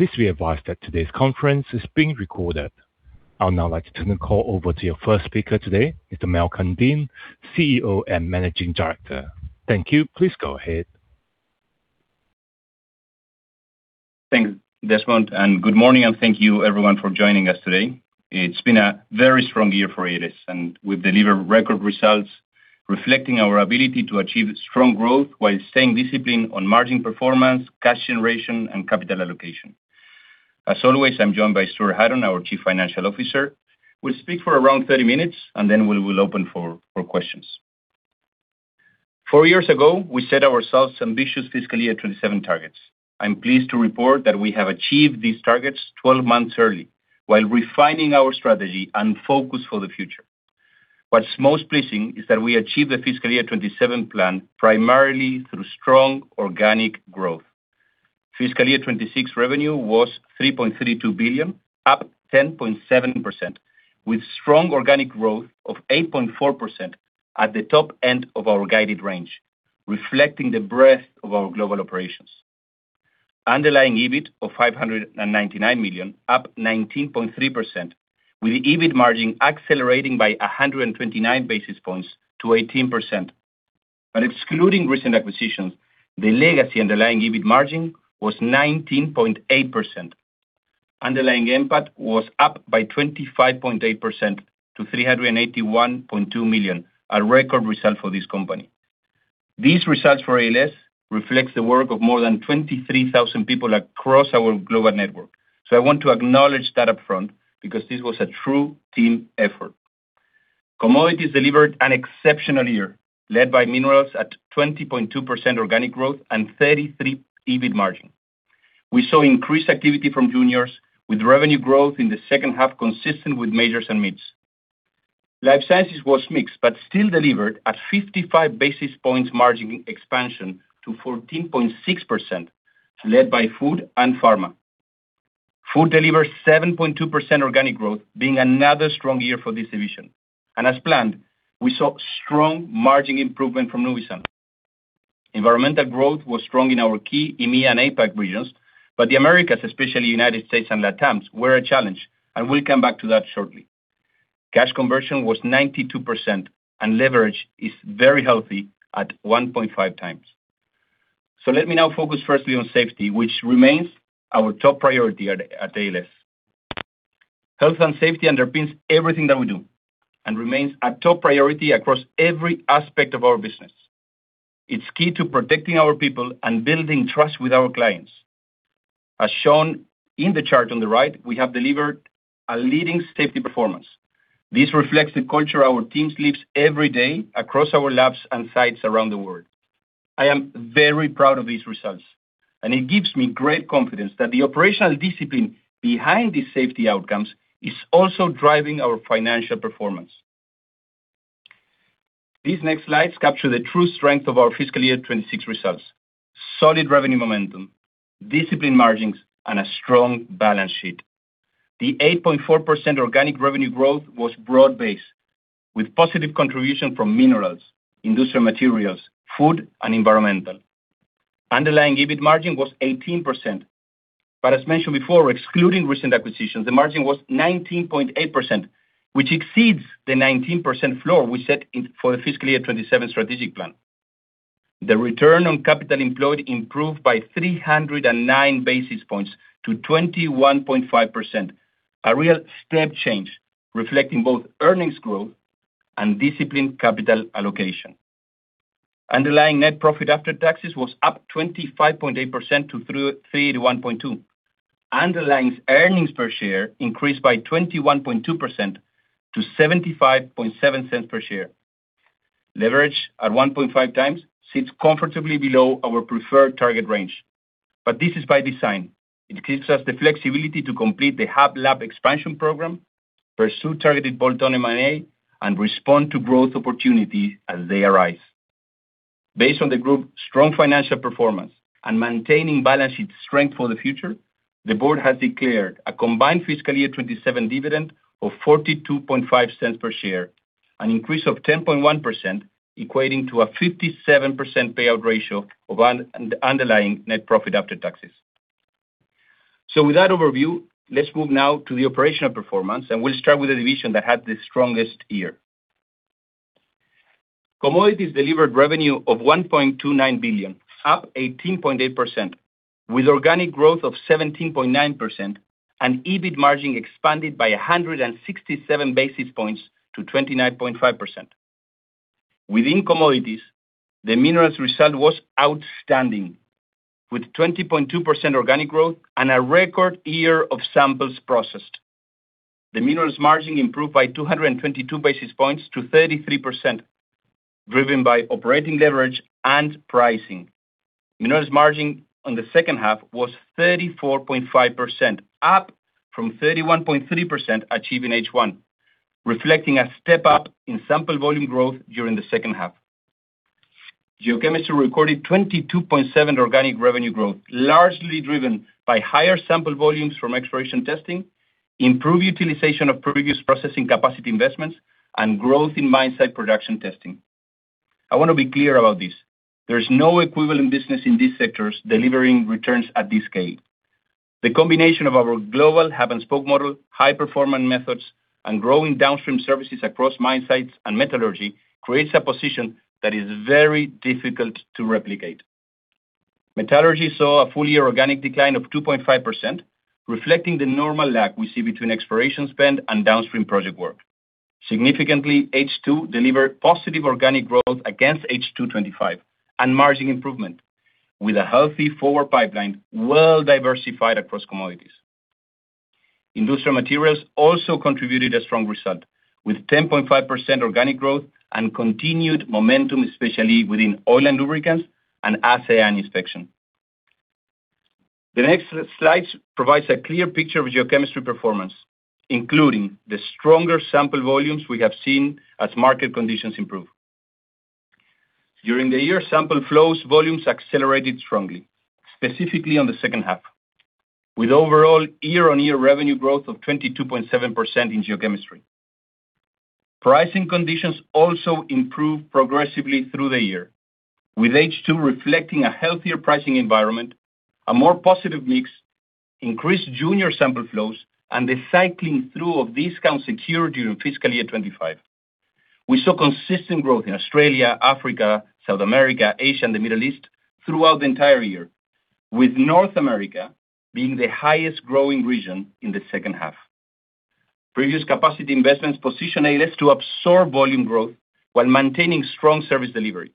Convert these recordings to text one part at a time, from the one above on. Please be advised that today's conference is being recorded. I'll now like to turn the call over to your first speaker today, Mr. Malcolm Deane, CEO and Managing Director. Thank you. Please go ahead. Thanks, Desmond. Good morning and thank you everyone for joining us today. It's been a very strong year for ALS, and we've delivered record results reflecting our ability to achieve strong growth while staying disciplined on margin performance, cash generation, and capital allocation. As always, I'm joined by Stuart Hutton, our Chief Financial Officer. We'll speak for around 30 minutes, and then we will open for questions. Four years ago, we set ourselves ambitious FY 2027 targets. I'm pleased to report that we have achieved these targets 12 months early while refining our strategy and focus for the future. What's most pleasing is that we achieved the FY 2027 plan primarily through strong organic growth. FY 2026 revenue was 3.32 billion, up 10.7%, with strong organic growth of 8.4% at the top end of our guided range, reflecting the breadth of our global operations. Underlying EBIT of 599 million, up 19.3%, with the EBIT margin accelerating by 129 basis points to 18%. Excluding recent acquisitions, the legacy underlying EBIT margin was 19.8%. Underlying NPAT was up by 25.8% to 381.2 million, a record result for this company. These results for ALS reflects the work of more than 23,000 people across our global network. I want to acknowledge that up front because this was a true team effort. Commodities delivered an exceptional year, led by Minerals at 20.2% organic growth and 33% EBIT margin. We saw increased activity from juniors, with revenue growth in the second half consistent with majors and mids. Life Sciences was mixed, still delivered at 55 basis points margin expansion to 14.6%, led by Food and Pharma. Food delivered 7.2% organic growth, being another strong year for this division. As planned, we saw strong margin improvement from Nuvisan. Environmental growth was strong in our key EMEA and APAC regions, the Americas, especially U.S. and LatAm, were a challenge, we'll come back to that shortly. Cash conversion was 92%, leverage is very healthy at 1.5x. Let me now focus firstly on safety, which remains our top priority at ALS. Health and safety underpins everything that we do and remains a top priority across every aspect of our business. It's key to protecting our people and building trust with our clients. As shown in the chart on the right, we have delivered a leading safety performance. This reflects the culture our teams live every day across our labs and sites around the world. I am very proud of these results, and it gives me great confidence that the operational discipline behind these safety outcomes is also driving our financial performance. These next slides capture the true strength of our fiscal year 2026 results: solid revenue momentum, disciplined margins, and a strong balance sheet. The 8.4% organic revenue growth was broad-based, with positive contribution from Minerals, Industrial Materials, Food, and Environmental. Underlying EBIT margin was 18%, but as mentioned before, excluding recent acquisitions, the margin was 19.8%, which exceeds the 19% floor we set for the fiscal year 2027 strategic plan. The return on capital employed improved by 309 basis points to 21.5%. A real step change reflecting both earnings growth and disciplined capital allocation. Underlying net profit after taxes was up 25.8% to 381.2. Underlying earnings per share increased by 21.2% to 0.757 per share. Leverage at 1.5x sits comfortably below our preferred target range. This is by design. It gives us the flexibility to complete the hub lab expansion program, pursue targeted bolt-on M&A, and respond to growth opportunities as they arise. Based on the group's strong financial performance and maintaining balance sheet strength for the future, the board has declared a combined fiscal year 2027 dividend of 0.425 per share, an increase of 10.1% equating to a 57% payout ratio of underlying Net Profit After Tax. With that overview, let's move now to the operational performance, and we'll start with the division that had the strongest year. Commodities delivered revenue of 1.29 billion, up 18.8%, with organic growth of 17.9% and EBIT margin expanded by 167 basis points to 29.5%. Within Commodities, the Minerals result was outstanding, with 20.2% organic growth and a record year of samples processed. The Minerals margin improved by 222 basis points to 33%, driven by operating leverage and pricing. Minerals margin on the second half was 34.5%, up from 31.3% achieved in H1, reflecting a step-up in sample volume growth during the second half. Geochemistry recorded 22.7% organic revenue growth, largely driven by higher sample volumes from exploration testing, improved utilization of previous processing capacity investments, and growth in mine site production testing. I wanna be clear about this. There's no equivalent business in these sectors delivering returns at this scale. The combination of our global hub-and-spoke model, high-performance methods, and growing downstream services across mine sites and metallurgy creates a position that is very difficult to replicate. Metallurgy saw a full-year organic decline of 2.5%, reflecting the normal lag we see between exploration spend and downstream project work. Significantly, H2 delivered positive organic growth against H2 2025 and margin improvement, with a healthy forward pipeline well-diversified across commodities. Industrial Materials also contributed a strong result, with 10.5% organic growth and continued momentum, especially within oil and lubricants and assay and inspection. The next slides provides a clear picture of Geochemistry performance, including the stronger sample volumes we have seen as market conditions improve. During the year, sample flows volumes accelerated strongly, specifically on the second half, with overall year-on-year revenue growth of 22.7% in Geochemistry. Pricing conditions also improved progressively through the year, with H2 reflecting a healthier pricing environment, a more positive mix, increased junior sample flows, and the cycling through of discounts secured during fiscal year 2025. We saw consistent growth in Australia, Africa, South America, Asia, and the Middle East throughout the entire year, with North America being the highest growing region in the second half. Previous capacity investments positioned ALS to absorb volume growth while maintaining strong service delivery.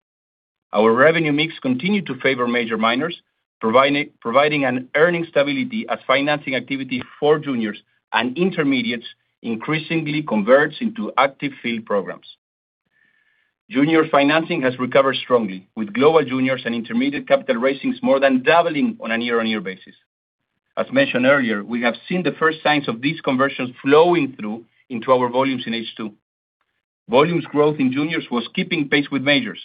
Our revenue mix continued to favor major miners, providing an earning stability as financing activity for juniors and intermediates increasingly converts into active field programs. Junior financing has recovered strongly, with global juniors and intermediate capital raisings more than doubling on a year-on-year basis. As mentioned earlier, we have seen the first signs of these conversions flowing through into our volumes in H2. Volumes growth in juniors was keeping pace with majors.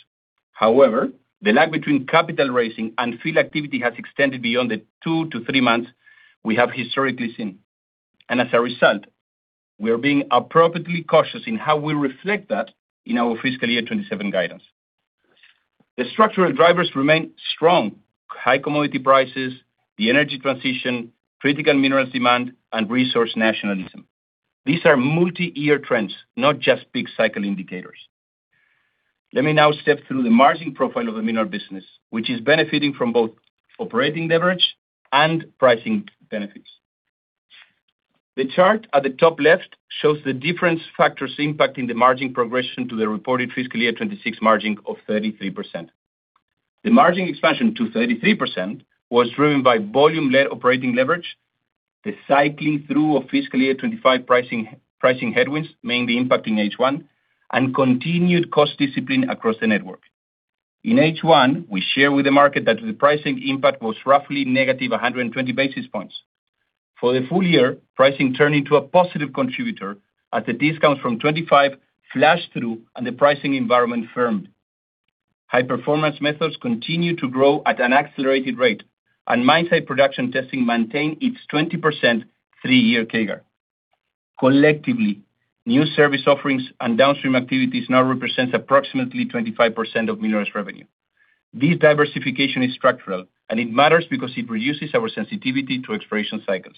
The lag between capital raising and field activity has extended beyond the two to three months we have historically seen. As a result, we are being appropriately cautious in how we reflect that in our fiscal year 2027 guidance. The structural drivers remain strong: high commodity prices, the energy transition, critical minerals demand, and resource nationalism. These are multi-year trends, not just peak cycle indicators. Let me now step through the margin profile of the mineral business, which is benefiting from both operating leverage and pricing benefits. The chart at the top left shows the different factors impacting the margin progression to the reported fiscal year 2026 margin of 33%. The margin expansion to 33% was driven by volume-led operating leverage, the cycling through of FY 2025 pricing headwinds, mainly impacting H1, and continued cost discipline across the network. In H1, we shared with the market that the pricing impact was roughly -120 basis points. For the full year, pricing turned into a positive contributor as the discounts from 2025 flashed through and the pricing environment firmed. High-performance methods continue to grow at an accelerated rate, and mine site production testing maintained its 20% three-year CAGR. Collectively, new service offerings and downstream activities now represents approximately 25% of Minerals revenue. This diversification is structural, and it matters because it reduces our sensitivity to exploration cycles.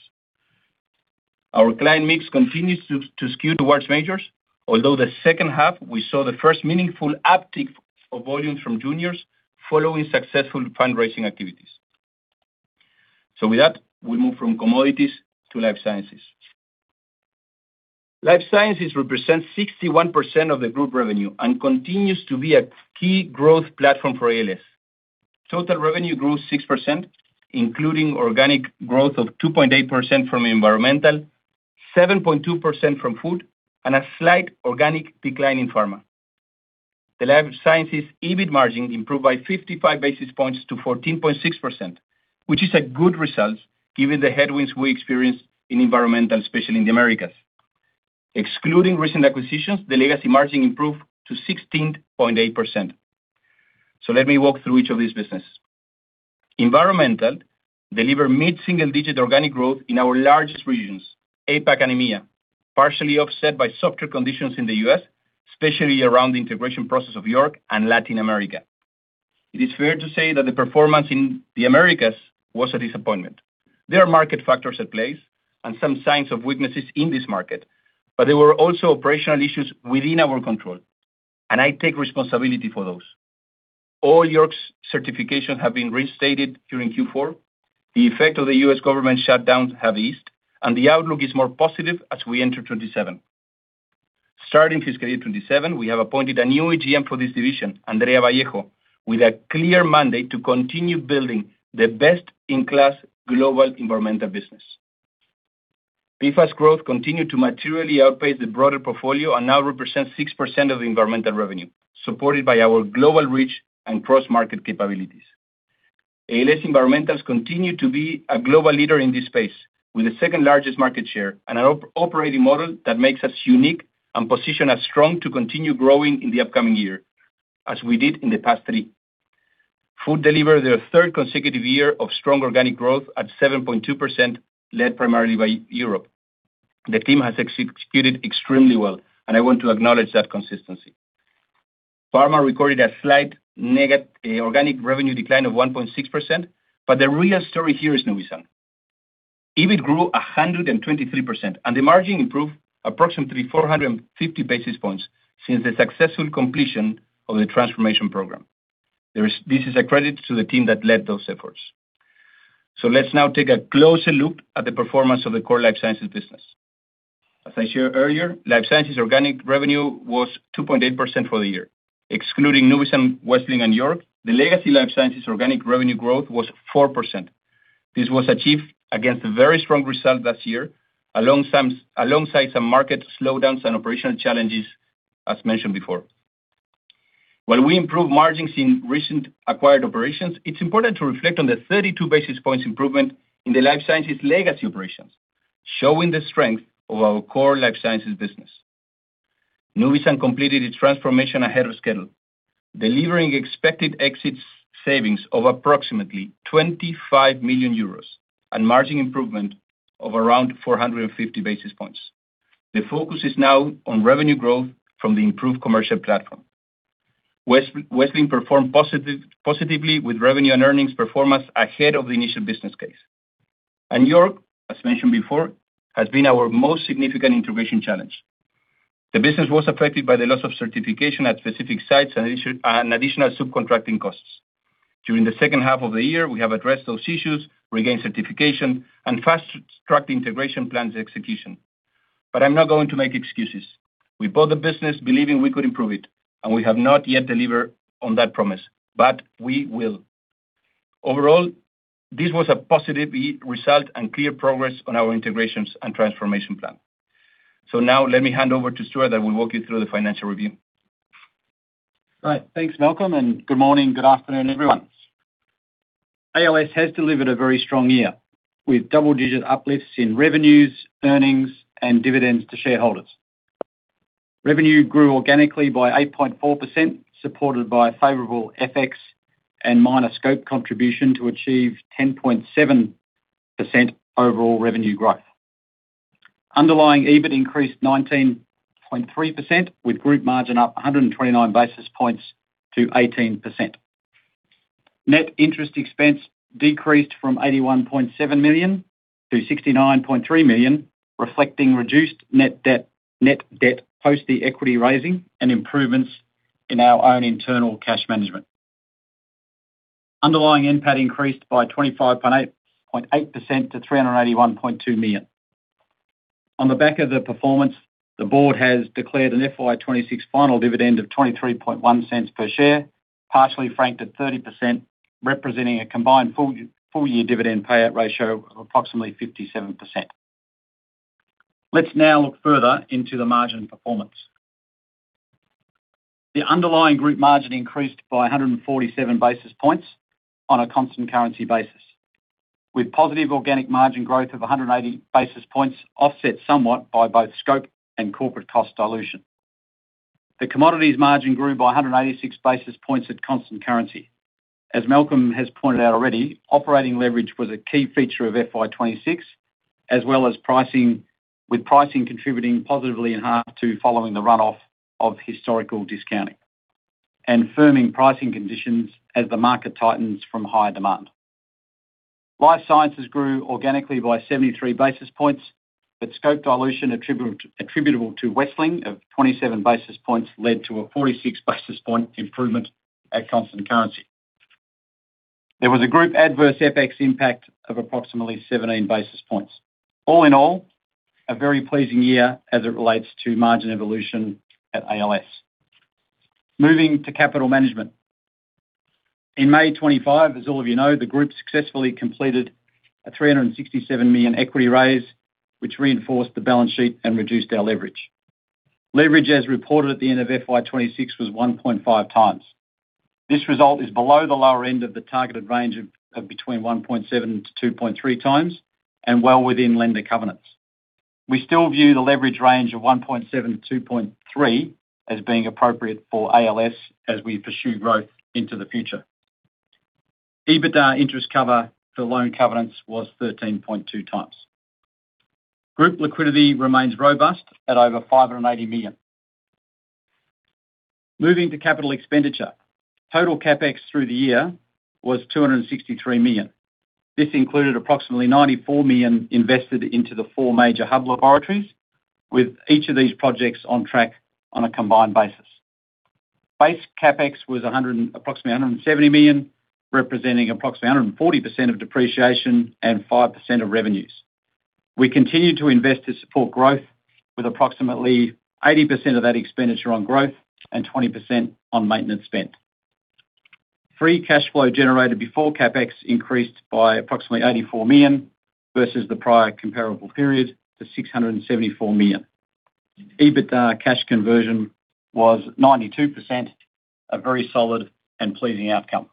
Our client mix continues to skew towards majors, although the second half, we saw the first meaningful uptick of volumes from juniors following successful fundraising activities. With that, we move from Commodities to Life Sciences. Life Sciences represents 61% of the group revenue and continues to be a key growth platform for ALS. Total revenue grew 6%, including organic growth of 2.8% from Environmental, 7.2% from Food, and a slight organic decline in Pharma. The Life Sciences EBIT margin improved by 55 basis points to 14.6%, which is a good result given the headwinds we experienced in Environmental, especially in the Americas. Excluding recent acquisitions, the legacy margin improved to 16.8%. Let me walk through each of these business. Environmental delivered mid-single-digit organic growth in our largest regions, APAC and EMEA, partially offset by softer conditions in the U.S., especially around the integration process of York and Latin America. It is fair to say that the performance in the Americas was a disappointment. There are market factors at play and some signs of weaknesses in this market, but there were also operational issues within our control, and I take responsibility for those. All York's certifications have been reinstated during Q4. The effect of the U.S. government shutdowns have eased, and the outlook is more positive as we enter 2027. Starting fiscal year 2027, we have appointed a new AGM for this division, Andrea Vallejo, with a clear mandate to continue building the best-in-class global environmental business. PFAS growth continued to materially outpace the broader portfolio and now represents 6% of Environmental revenue, supported by our global reach and cross-market capabilities. ALS Environmental continues to be a global leader in this space, with the second-largest market share and an operating model that makes us unique and position us strong to continue growing in the upcoming year, as we did in the past three. Food delivered their third consecutive year of strong organic growth at 7.2%, led primarily by Europe. The team has executed extremely well, and I want to acknowledge that consistency. Pharma recorded a slight organic revenue decline of 1.6%, but the real story here is Nuvisan. EBIT grew 123%, and the margin improved approximately 450 basis points since the successful completion of the transformation program. This is a credit to the team that led those efforts. Let's now take a closer look at the performance of the core Life Sciences business. As I shared earlier, Life Sciences organic revenue was 2.8% for the year. Excluding Nuvisan, Wessling, and York, the legacy Life Sciences organic revenue growth was 4%. This was achieved against a very strong result last year, alongside some market slowdowns and operational challenges, as mentioned before. While we improve margins in recent acquired operations, it's important to reflect on the 32 basis points improvement in the Life Sciences legacy operations, showing the strength of our core Life Sciences business. Nuvisan completed its transformation ahead of schedule, delivering expected exits savings of approximately 25 million euros and margin improvement of around 450 basis points. The focus is now on revenue growth from the improved commercial platform. Wessling performed positively with revenue and earnings performance ahead of the initial business case. York, as mentioned before, has been our most significant integration challenge. The business was affected by the loss of certification at specific sites and additional subcontracting costs. During the second half of the year, we have addressed those issues, regained certification, and fast-tracked integration plans execution. I'm not going to make excuses. We bought the business believing we could improve it, and we have not yet delivered on that promise, but we will. Overall, this was a positive result and clear progress on our integrations and transformation plan. Now let me hand over to Stuart that will walk you through the financial review. Right. Thanks, Malcolm, and good morning, good afternoon, everyone. ALS has delivered a very strong year, with double-digit uplifts in revenues, earnings, and dividends to shareholders. Revenue grew organically by 8.4%, supported by favorable FX and minor scope contribution to achieve 10.7% overall revenue growth. Underlying EBIT increased 19.3%, with group margin up 129 basis points to 18%. Net interest expense decreased from 81.7 million to 69.3 million, reflecting reduced net debt, net debt post the equity raising and improvements in our own internal cash management. Underlying NPAT increased by 25.8% to 381.2 million. On the back of the performance, the board has declared an FY 2026 final dividend of 0.231 per share, partially franked at 30%, representing a combined full year dividend payout ratio of approximately 57%. Let's now look further into the margin performance. The underlying group margin increased by 147 basis points on a constant currency basis, with positive organic margin growth of 180 basis points offset somewhat by both scope and corporate cost dilution. The commodities margin grew by 186 basis points at constant currency. As Malcolm has pointed out already, operating leverage was a key feature of FY 2026, as well as pricing, with pricing contributing positively in half two following the runoff of historical discounting and firming pricing conditions as the market tightens from higher demand. Life Sciences grew organically by 73 basis points, but scope dilution attributable to Wessling of 27 basis points led to a 46 basis point improvement at constant currency. There was a group adverse FX impact of approximately 17 basis points. All in all, a very pleasing year as it relates to margin evolution at ALS. Moving to capital management. In May 2025, as all of you know, the group successfully completed an 367 million equity raise, which reinforced the balance sheet and reduced our leverage. Leverage, as reported at the end of FY 2026, was 1.5x. This result is below the lower end of the targeted range of between 1.7x-2.3x and well within lender covenants. We still view the leverage range of 1.7x-2.3x as being appropriate for ALS as we pursue growth into the future. EBITDA interest cover for loan covenants was 13.2x. Group liquidity remains robust at over 580 million. Moving to capital expenditure. Total CapEx through the year was 263 million. This included approximately 94 million invested into the four major hub laboratories, with each of these projects on track on a combined basis. Base CapEx was approximately 170 million, representing approximately 140% of depreciation and 5% of revenues. We continue to invest to support growth with approximately 80% of that expenditure on growth and 20% on maintenance spend. Free cash flow generated before CapEx increased by approximately 84 million versus the prior comparable period to 674 million. EBITDA cash conversion was 92%, a very solid and pleasing outcome.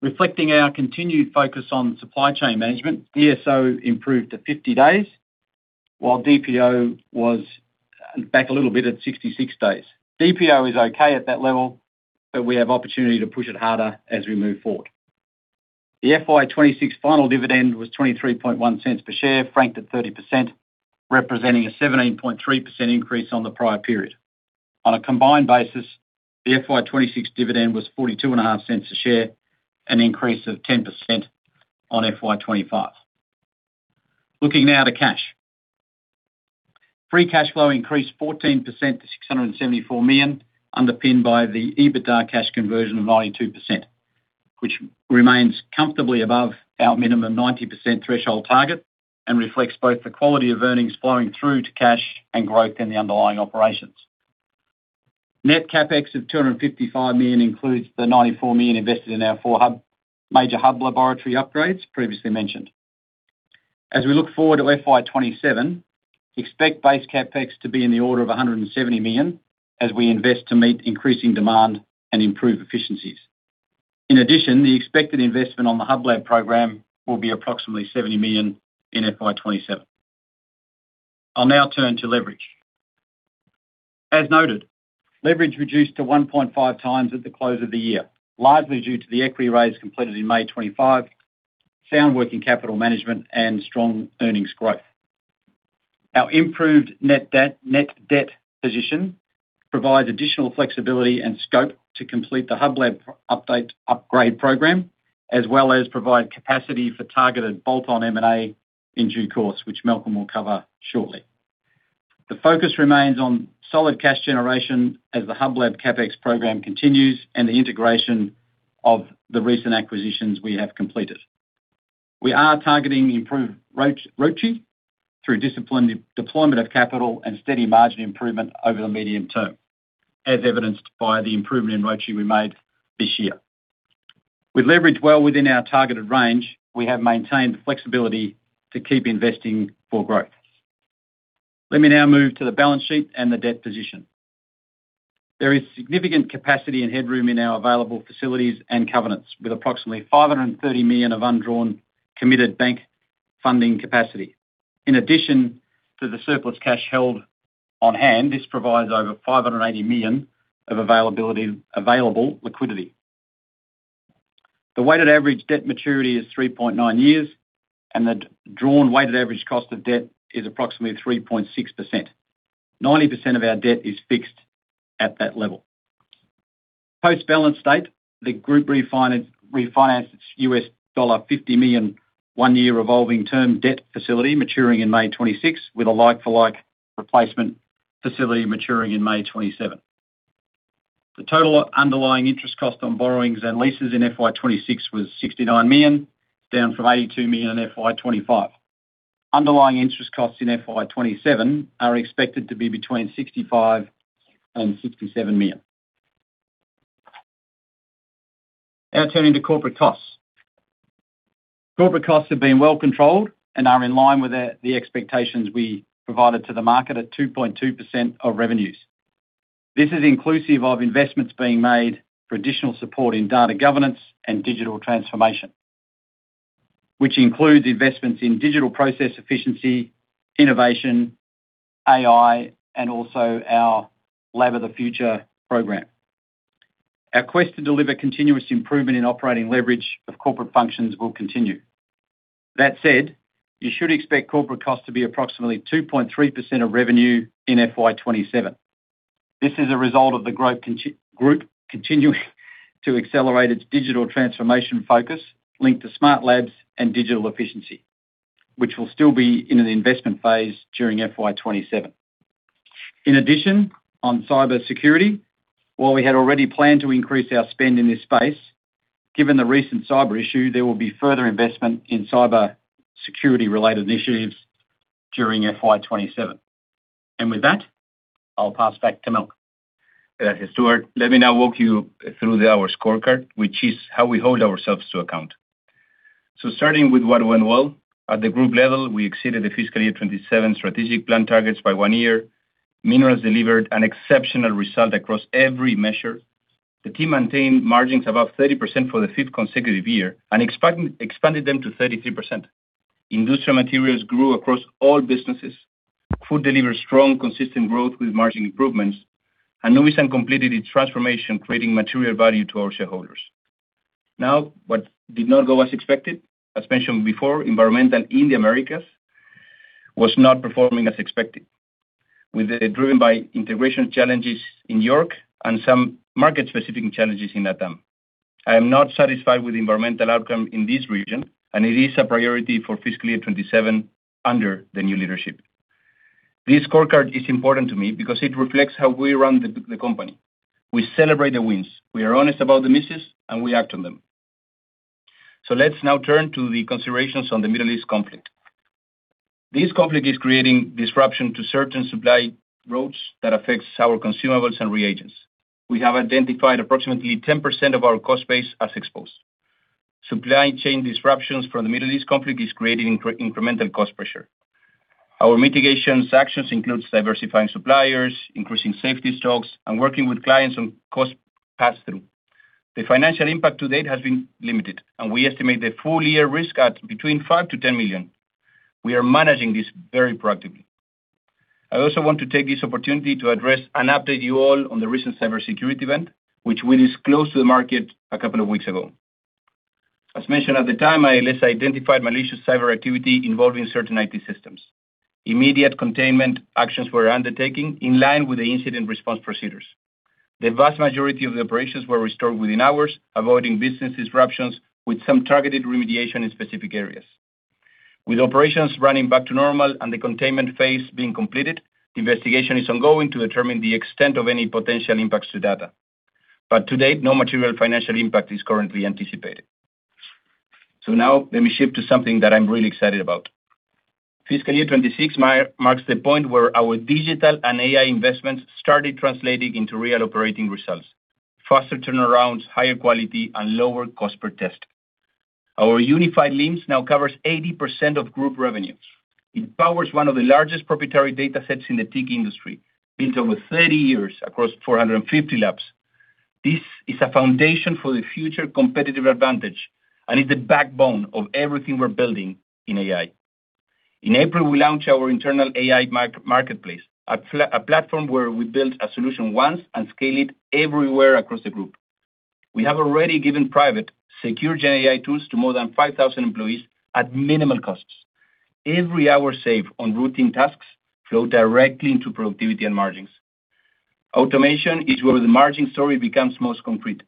Reflecting our continued focus on supply chain management, DSO improved to 50 days, while DPO was back a little bit at 66 days. DPO is okay at that level, but we have opportunity to push it harder as we move forward. The FY 2026 final dividend was 0.231 per share, franked at 30%, representing a 17.3% increase on the prior period. On a combined basis, the FY 2026 dividend was 0.425 a share, an increase of 10% on FY 2025. Looking now to cash. Free cash flow increased 14% to 674 million, underpinned by the EBITDA cash conversion of 92%, which remains comfortably above our minimum 90% threshold target and reflects both the quality of earnings flowing through to cash and growth in the underlying operations. Net CapEx of 255 million includes the 94 million invested in our four major hub laboratory upgrades previously mentioned. As we look forward to FY 2027, expect base CapEx to be in the order of 170 million as we invest to meet increasing demand and improve efficiencies. In addition, the expected investment on the hub lab program will be approximately 70 million in FY 2027. I'll now turn to leverage. As noted, leverage reduced to 1.5x at the close of the year, largely due to the equity raise completed in May 2025, sound working capital management, and strong earnings growth. Our improved net debt position provides additional flexibility and scope to complete the hub lab update upgrade program, as well as provide capacity for targeted bolt-on M&A in due course, which Malcolm will cover shortly. The focus remains on solid cash generation as the hub lab CapEx program continues and the integration of the recent acquisitions we have completed. We are targeting improved ROCE through disciplined deployment of capital and steady margin improvement over the medium term, as evidenced by the improvement in ROCE we made this year. With leverage well within our targeted range, we have maintained the flexibility to keep investing for growth. Let me now move to the balance sheet and the debt position. There is significant capacity and headroom in our available facilities and covenants, with approximately 530 million of undrawn committed bank funding capacity. In addition to the surplus cash held on hand, this provides over 580 million of available liquidity. The weighted average debt maturity is 3.9 years, and the drawn weighted average cost of debt is approximately 3.6%. 90% of our debt is fixed at that level. Post-balance date, the group refinanced its U.S. dollar $50 million one-year revolving term debt facility maturing in May 2026 with a like for like replacement facility maturing in May 2027. The total underlying interest cost on borrowings and leases in FY 2026 was 69 million, down from 82 million in FY 2025. Underlying interest costs in FY 2027 are expected to be between 65 million and 67 million. Turning to corporate costs. Corporate costs have been well controlled and are in line with the expectations we provided to the market at 2.2% of revenues. This is inclusive of investments being made for additional support in data governance and digital transformation, which includes investments in digital process efficiency, innovation, AI, and also our Lab of the Future program. Our quest to deliver continuous improvement in operating leverage of corporate functions will continue. You should expect corporate costs to be approximately 2.3% of revenue in FY 2027. This is a result of the group continuing to accelerate its digital transformation focus linked to smart labs and digital efficiency, which will still be in an investment phase during FY 2027. On cybersecurity, while we had already planned to increase our spend in this space, given the recent cyber issue, there will be further investment in cybersecurity-related initiatives during FY 2027. With that, I'll pass back to Malcolm. Thank you, Stuart. Let me now walk you through our scorecard, which is how we hold ourselves to account. Starting with what went well. At the group level, we exceeded the fiscal year 2027 strategic plan targets by one year. Minerals delivered an exceptional result across every measure. The team maintained margins above 30% for the fifth consecutive year and expanded them to 33%. Industrial Materials grew across all businesses. Food delivered strong, consistent growth with margin improvements. Nuvisan completed its transformation, creating material value to our shareholders. Now, what did not go as expected, as mentioned before, Environmental in the Americas was not performing as expected. With it driven by integration challenges in York and some market-specific challenges in LatAm. I am not satisfied with the Environmental outcome in this region, and it is a priority for fiscal year 2027 under the new leadership. This scorecard is important to me because it reflects how we run the company. We celebrate the wins, we are honest about the misses, and we act on them. Let's now turn to the considerations on the Middle East conflict. This conflict is creating disruption to certain supply routes that affects our consumables and reagents. We have identified approximately 10% of our cost base as exposed. Supply chain disruptions from the Middle East conflict is creating incremental cost pressure. Our mitigations actions includes diversifying suppliers, increasing safety stocks, and working with clients on cost pass-through. The financial impact to date has been limited, and we estimate the full-year risk at between 5 million-10 million. We are managing this very proactively. I also want to take this opportunity to address and update you all on the recent cybersecurity event, which we disclosed to the market a couple of weeks ago. As mentioned at the time, ALS identified malicious cyber activity involving certain IT systems. Immediate containment actions were undertaken in line with the incident response procedures. The vast majority of the operations were restored within hours, avoiding business disruptions, with some targeted remediation in specific areas. With operations running back to normal and the containment phase being completed, the investigation is ongoing to determine the extent of any potential impacts to data. To date, no material financial impact is currently anticipated. Now let me shift to something that I'm really excited about. FY 2026 marks the point where our digital and AI investments started translating into real operating results, faster turnarounds, higher quality, and lower cost per test. Our unified LIMS now covers 80% of group revenues. It powers one of the largest proprietary datasets in the TIC industry, built over 30 years across 450 labs. This is a foundation for the future competitive advantage and is the backbone of everything we're building in AI. In April, we launched our internal AI marketplace, a platform where we build a solution once and scale it everywhere across the group. We have already given private secure GenAI tools to more than 5,000 employees at minimal costs. Every hour saved on routine tasks flow directly into productivity and margins. Automation is where the margin story becomes most concrete.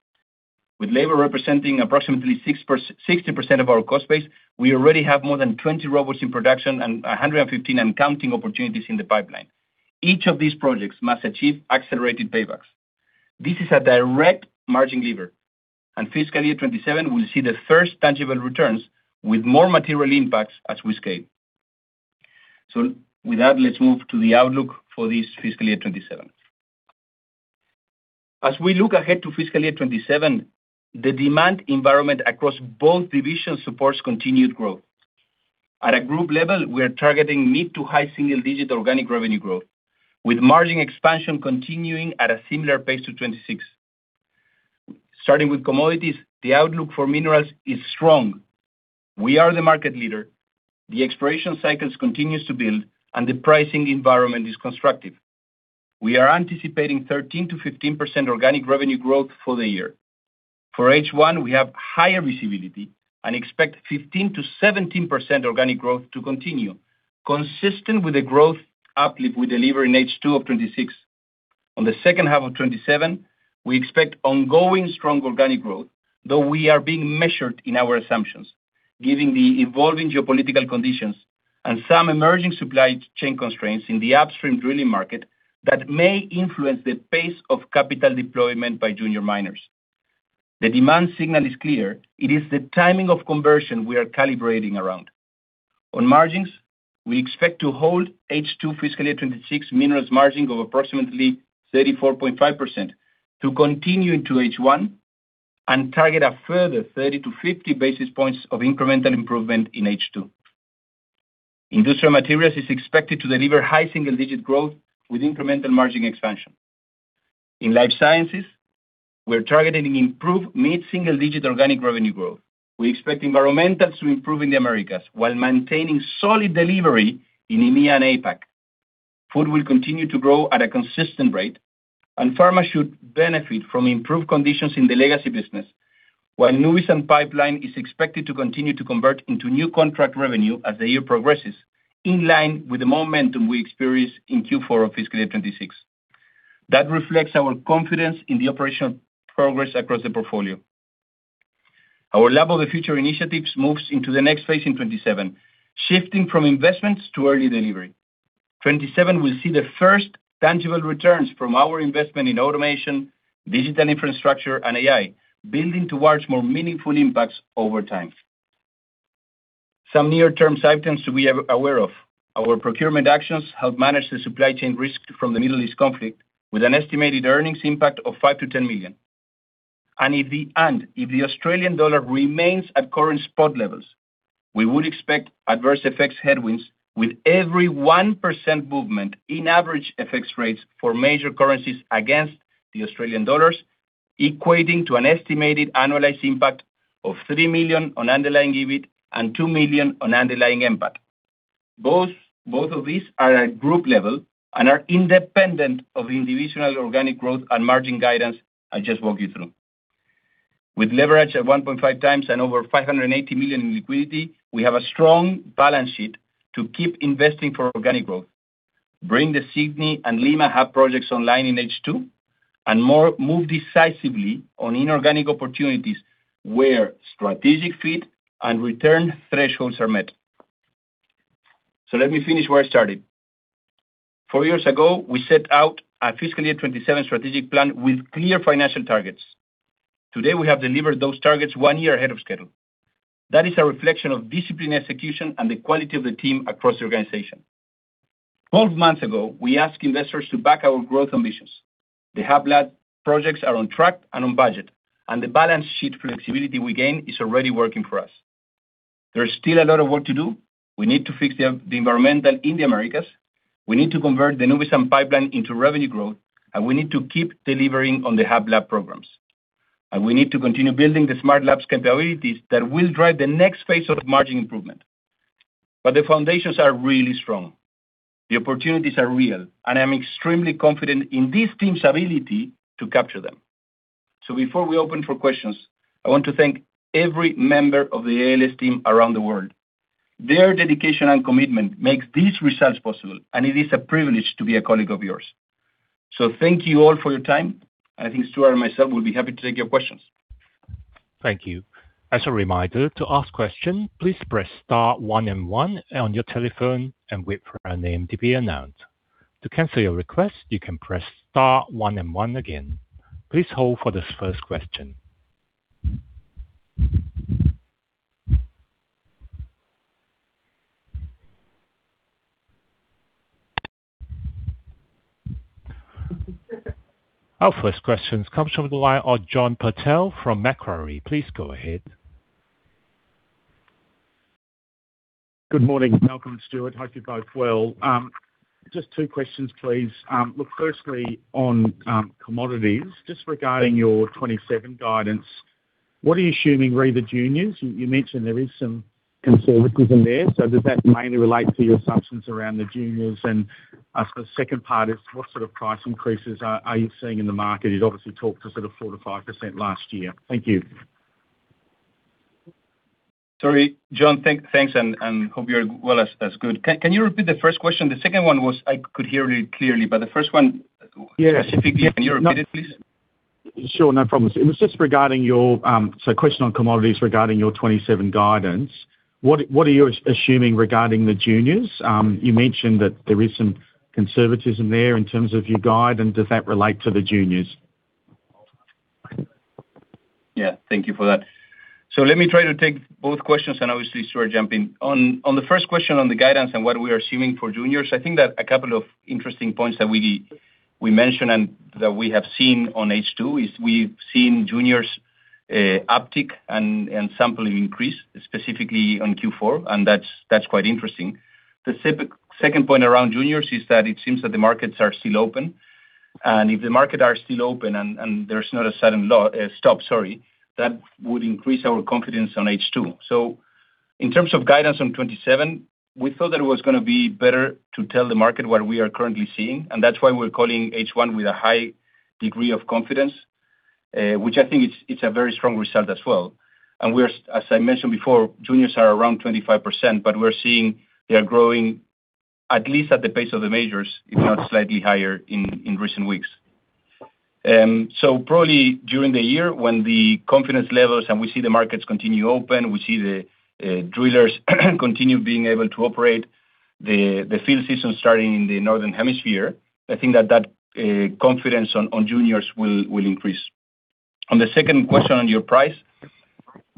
With labor representing approximately 60% of our cost base, we already have more than 20 robots in production and 115 and counting opportunities in the pipeline. Each of these projects must achieve accelerated paybacks. This is a direct margin lever, and fiscal year 2027 will see the first tangible returns with more material impacts as we scale. Let's move to the outlook for this fiscal year 2027. As we look ahead to fiscal year 2027, the demand environment across both divisions supports continued growth. At a group level, we are targeting mid-to-high single-digit organic revenue growth, with margin expansion continuing at a similar pace to 2026. Starting with Commodities, the outlook for Minerals is strong. We are the market leader. The exploration cycles continues to build, and the pricing environment is constructive. We are anticipating 13%-15% organic revenue growth for the year. For H1, we have higher visibility and expect 15%-17% organic growth to continue, consistent with the growth uplift we deliver in H2 of 2026. On the second half of 2027, we expect ongoing strong organic growth, though we are being measured in our assumptions giving the evolving geopolitical conditions and some emerging supply chain constraints in the upstream drilling market that may influence the pace of capital deployment by junior miners. The demand signal is clear. It is the timing of conversion we are calibrating around. On margins, we expect to hold H2 fiscal year 2026 Minerals margin of approximately 34.5% to continue into H1 and target a further 30-50 basis points of incremental improvement in H2. Industrial Materials is expected to deliver high single-digit growth with incremental margin expansion. In Life Sciences, we're targeting improved mid-single-digit organic revenue growth. We expect Environmental to improve in the Americas while maintaining solid delivery in EMEA and APAC. Food will continue to grow at a consistent rate, and Pharma should benefit from improved conditions in the legacy business, while Nuvisan pipeline is expected to continue to convert into new contract revenue as the year progresses, in line with the momentum we experienced in Q4 of FY 2026. That reflects our confidence in the operational progress across the portfolio. Our Lab of the Future initiatives moves into the next phase in 2027, shifting from investments to early delivery. 2027 will see the first tangible returns from our investment in automation, digital infrastructure, and AI, building towards more meaningful impacts over time. Some near-term items to be aware of. Our procurement actions help manage the supply chain risk from the Middle East conflict with an estimated earnings impact of 5 million-10 million. If the Australian dollar remains at current spot levels, we would expect adverse FX headwinds, with every 1% movement in average FX rates for major currencies against the Australian dollars equating to an estimated annualized impact of 3 million on underlying EBIT and 2 million on underlying NPAT. Both of these are at group level and are independent of the divisional organic growth and margin guidance I just walked you through. With leverage at 1.5x and over 580 million in liquidity, we have a strong balance sheet to keep investing for organic growth, bring the Sydney and Lima hub projects online in H2, move decisively on inorganic opportunities where strategic fit and return thresholds are met. Let me finish where I started. Four years ago, we set out our fiscal year 2027 strategic plan with clear financial targets. Today, we have delivered those targets one year ahead of schedule. That is a reflection of disciplined execution and the quality of the team across the organization. 12 months ago, we asked investors to back our growth ambitions. The hub lab projects are on track and on budget, the balance sheet flexibility we gain is already working for us. There's still a lot of work to do. We need to fix the Environmental in the Americas. We need to convert the Nuvisan pipeline into revenue growth, and we need to keep delivering on the hub lab programs. We need to continue building the smart labs capabilities that will drive the next phase of margin improvement. The foundations are really strong. The opportunities are real, and I'm extremely confident in this team's ability to capture them. Before we open for questions, I want to thank every member of the ALS team around the world. Their dedication and commitment makes these results possible, and it is a privilege to be a colleague of yours. Thank you all for your time. I think Stuart and myself will be happy to take your questions. Thank you. As a reminder, to ask a question, please press star one and one on your telephone and wait for your name to be announced. To cancel your request, you can press star one and one again. Please hold for the first question. Our first question comes from the line of John Purtell from Macquarie. Please go ahead. Good morning, Malcolm and Stuart. Hope you're both well. Just two questions, please. Look, firstly, on Commodities, just regarding your 2027 guidance, what are you assuming re: the juniors? You mentioned there is some conservatism there, so does that mainly relate to your assumptions around the juniors? The second part is what sort of price increases are you seeing in the market? You obviously talked to sort of 4%-5% last year. Thank you. Sorry, John. Thanks and hope you're well. That's good. Can you repeat the first question? The second one was I could hear really clearly, but the first one... Yeah. -specifically, can you repeat it, please? Sure, no problem. It was just regarding your question on Commodities regarding your 2027 guidance, what are you assuming regarding the juniors? You mentioned that there is some conservatism there in terms of your guide, and does that relate to the juniors? Yeah, thank you for that. Let me try to take both questions and obviously Stuart jump in. On the first question on the guidance and what we are assuming for juniors, I think that a couple of interesting points that we mentioned and that we have seen on H2 is we've seen juniors uptick and sampling increase, specifically on Q4, and that's quite interesting. The second point around juniors is that it seems that the markets are still open. If the market are still open and there's not a sudden low stop, sorry, that would increase our confidence on H2. In terms of guidance on 2027, we thought that it was going to be better to tell the market what we are currently seeing, and that's why we're calling H1 with a high degree of confidence, which I think it's a very strong result as well. We're, as I mentioned before, juniors are around 25%, but we're seeing they are growing at least at the pace of the majors, if not slightly higher in recent weeks. Probably during the year when the confidence levels and we see the markets continue open, we see the drillers continue being able to operate the field season starting in the Northern Hemisphere. I think that confidence on juniors will increase. On the second question on your price,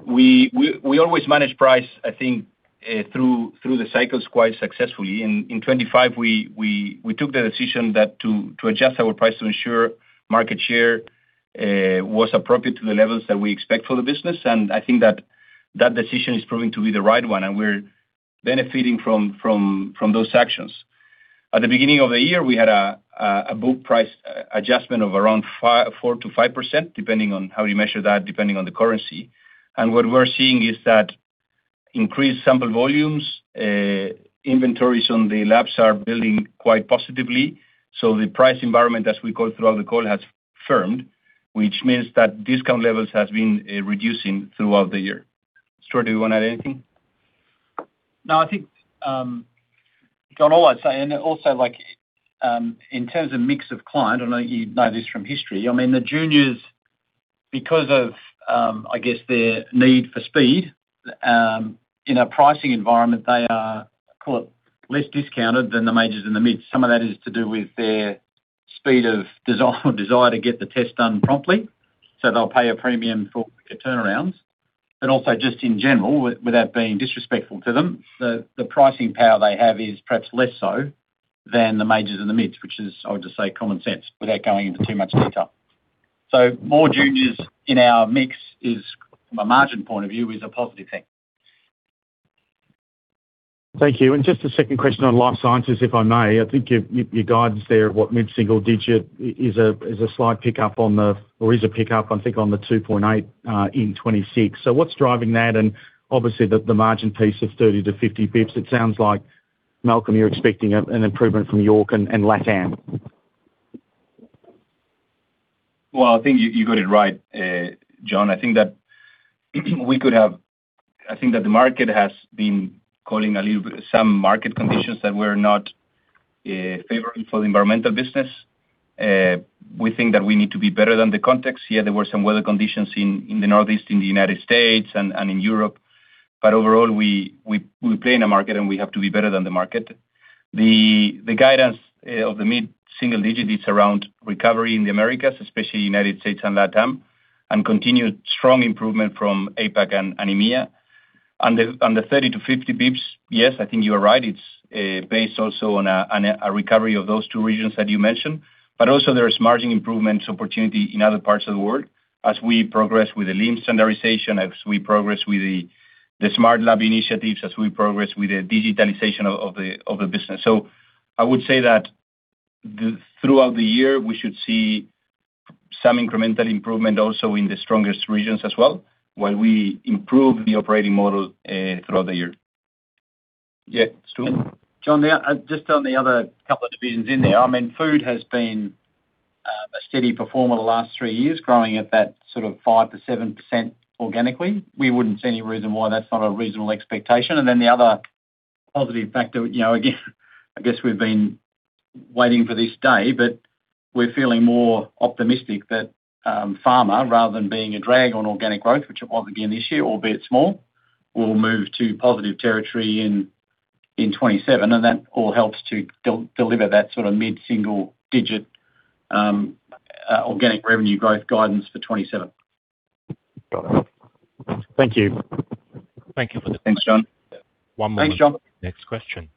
we always manage price, I think, through the cycles quite successfully. In 2025, we took the decision to adjust our price to ensure market share was appropriate to the levels that we expect for the business. I think that that decision is proving to be the right one, and we're benefiting from those actions. At the beginning of the year, we had a book price adjustment of around 4%-5%, depending on how you measure that, depending on the currency. What we're seeing is that increased sample volumes, inventories on the labs are building quite positively. The price environment as we go throughout the call has firmed, which means that discount levels has been reducing throughout the year. Stuart, do you wanna add anything? I think, John, all I'd say, and also like, in terms of mix of client, I know you know this from history. I mean, the juniors because of, I guess their need for speed, in a pricing environment, they are, call it, less discounted than the majors and the mid. Some of that is to do with their speed of desire to get the test done promptly. They'll pay a premium for quicker turnarounds. Also just in general, without being disrespectful to them, the pricing power they have is perhaps less so than the majors and the mids, which is, I would just say, common sense without going into too much detail. More juniors in our mix is from a margin point of view, is a positive thing. Thank you. Just a second question on Life Sciences, if I may. I think your guidance there at what mid-single digit is a slight pickup on the or is a pickup, I think, on the 2.8% in 2026. What's driving that? Obviously, the margin piece of 30-50 basis points, it sounds like, Malcolm, you're expecting an improvement from York and LatAm. Well, I think you got it right, John. I think that the market has been calling a little bit some market conditions that were not favoring for the Environmental business. We think that we need to be better than the context. There were some weather conditions in the Northeast, in the U.S. and in Europe. Overall, we play in a market, and we have to be better than the market. The guidance of the mid-single digit is around recovery in the Americas, especially U.S. and LatAm. Continued strong improvement from APAC and EMEA. On the 30-50 basis points, yes, I think you are right. It is based also on a recovery of those two regions that you mentioned. Also there is margin improvements opportunity in other parts of the world as we progress with the LIMS standardization, as we progress with the smart lab Initiatives, as we progress with the digitalization of the business. I would say that throughout the year, we should see some incremental improvement also in the strongest regions as well, while we improve the operating model throughout the year. Yeah. Stuart? John, yeah, just on the other couple of divisions in there. I mean, Food has been a steady performer the last three years, growing at that sort of 5%-7% organically. We wouldn't see any reason why that's not a reasonable expectation. The other positive factor, you know, again, I guess we've been waiting for this day, but we're feeling more optimistic that Pharma, rather than being a drag on organic growth, which it was again this year, albeit small, will move to positive territory in 2027. That all helps to deliver that sort of mid-single digit organic revenue growth guidance for 2027. Got it. Thank you. Thanks, John. One moment... Thanks, John. -next question.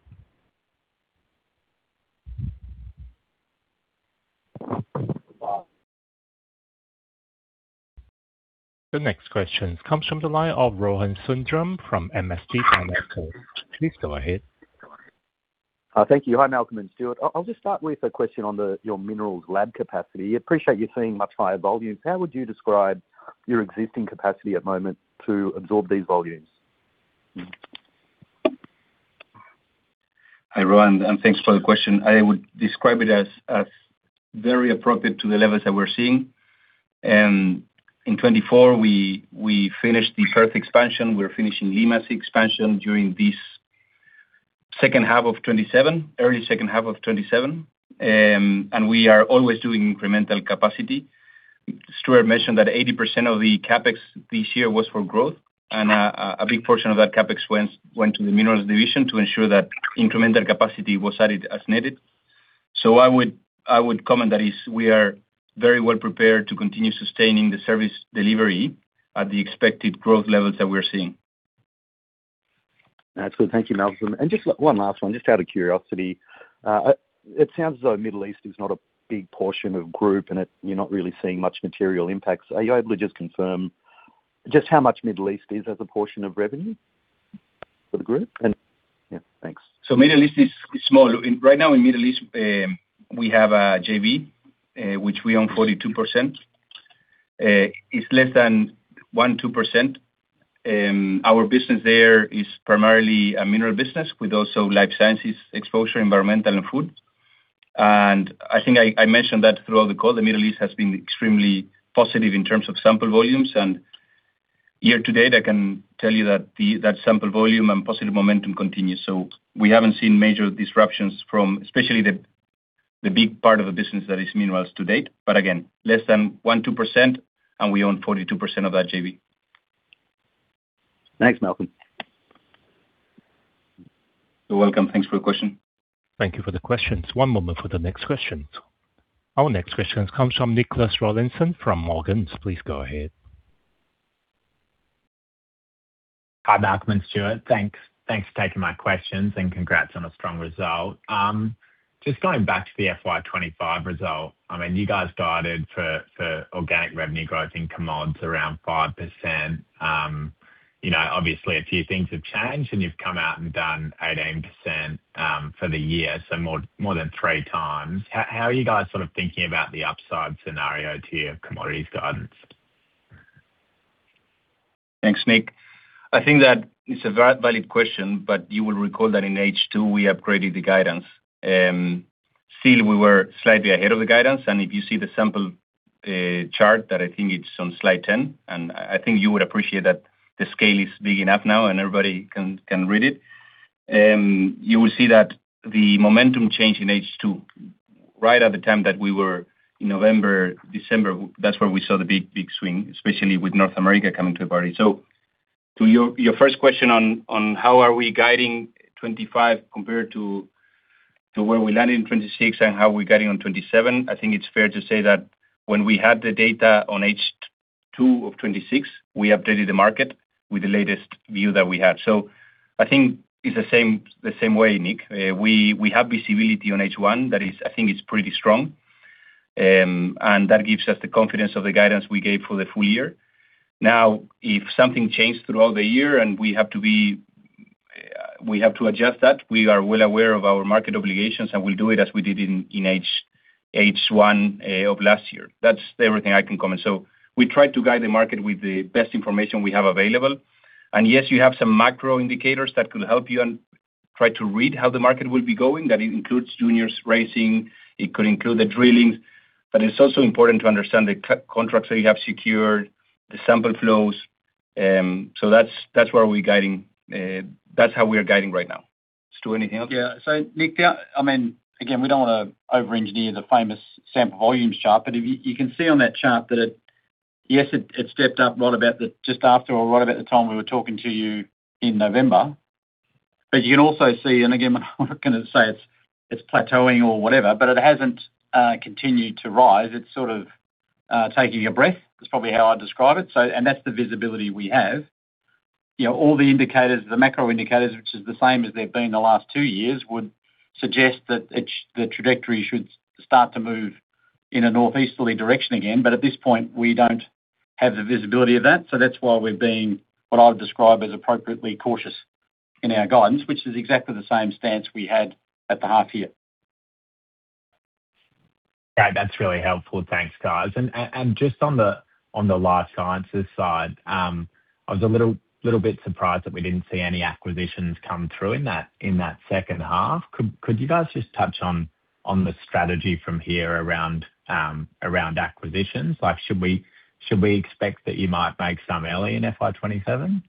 The next question comes from the line of Rohan Sundram from MST Financial. Please go ahead. Thank you. Hi, Malcolm and Stuart. I'll just start with a question on the, your Minerals lab capacity. Appreciate you seeing much higher volumes. How would you describe your existing capacity at moment to absorb these volumes? Hi, Rohan, and thanks for the question. I would describe it as very appropriate to the levels that we're seeing. In 2024, we finished the Perth expansion. We're finishing Lima expansion during this second half of 2027, early second half of 2027. We are always doing incremental capacity. Stuart mentioned that 80% of the CapEx this year was for growth. A big portion of that CapEx went to the Minerals division to ensure that incremental capacity was added as needed. I would comment that is we are very well prepared to continue sustaining the service delivery at the expected growth levels that we're seeing. That's good. Thank you, Malcolm. Just one last one, just out of curiosity. It sounds as though Middle East is not a big portion of group, and you're not really seeing much material impacts. Are you able to just confirm just how much Middle East is as a portion of revenue for the group? Yeah, thanks. Middle East is small. Right now in Middle East, we have a JV, which we own 42%. It's less than 1%-2%. Our business there is primarily a Mineral business with also Life Sciences exposure, Environmental and Food. I think I mentioned that throughout the call. The Middle East has been extremely positive in terms of sample volumes. Year to date, I can tell you that sample volume and positive momentum continues. We haven't seen major disruptions from especially the big part of the business that is Minerals to date. Again, less than 1%-2%, and we own 42% of that JV. Thanks, Malcolm. You're welcome. Thanks for your question. Thank you for the questions. One moment for the next questions. Our next questions comes from Nicholas Rawlinson from Morgans. Please go ahead. Hi, Malcolm and Stuart. Thanks for taking my questions, and congrats on a strong result. Just going back to the FY 2025 result. I mean, you guys guided for organic revenue growth in Commodities around 5%. You know, obviously a few things have changed, and you've come out and done 18% for the year, so more than 3x. How are you guys sort of thinking about the upside scenario to your Commodities guidance? Thanks, Nick. I think that it's a very valid question. You will recall that in H2, we upgraded the guidance. Still we were slightly ahead of the guidance. If you see the sample chart that I think it's on slide 10, and I think you would appreciate that the scale is big enough now, and everybody can read it. You will see that the momentum change in H2, right at the time that we were in November, December, that's where we saw the big swing, especially with North America coming to a party. To your first question on how are we guiding 2025 compared to where we landed in 2026 and how we're guiding on 2027, I think it's fair to say that when we had the data on H2 of 2026, we updated the market with the latest view that we had. I think it's the same way, Nick. We have visibility on H1 that is, I think is pretty strong. That gives us the confidence of the guidance we gave for the full year. If something changed throughout the year and we have to adjust that, we are well aware of our market obligations, and we'll do it as we did in H1 of last year. That's everything I can comment. We try to guide the market with the best information we have available. Yes, you have some macro indicators that could help you and try to read how the market will be going. That includes juniors raising. It could include the drillings, but it's also important to understand the contracts that you have secured, the sample flows. That's where we're guiding. That's how we are guiding right now. Stuart, anything else? Yeah. Nick, I mean, again, we don't wanna over-engineer the famous sample volumes chart. If you can see on that chart that it stepped up right about just after or right about the time we were talking to you in November. You can also see, and again, I'm not gonna say it's plateauing or whatever, it hasn't continued to rise. It's sort of taking a breath, is probably how I'd describe it. That's the visibility we have. You know, all the indicators, the macro indicators, which is the same as they've been the last two years, would suggest that the trajectory should start to move in a northeasterly direction again. At this point, we don't have the visibility of that. That's why we're being, what I'll describe as appropriately cautious in our guidance, which is exactly the same stance we had at the half year. Great. That's really helpful. Thanks, guys. Just on the, on the Life Sciences side, I was a little bit surprised that we didn't see any acquisitions come through in that, in that second half. Could you guys just touch on the strategy from here around acquisitions? Like, should we expect that you might make some early in FY 2027?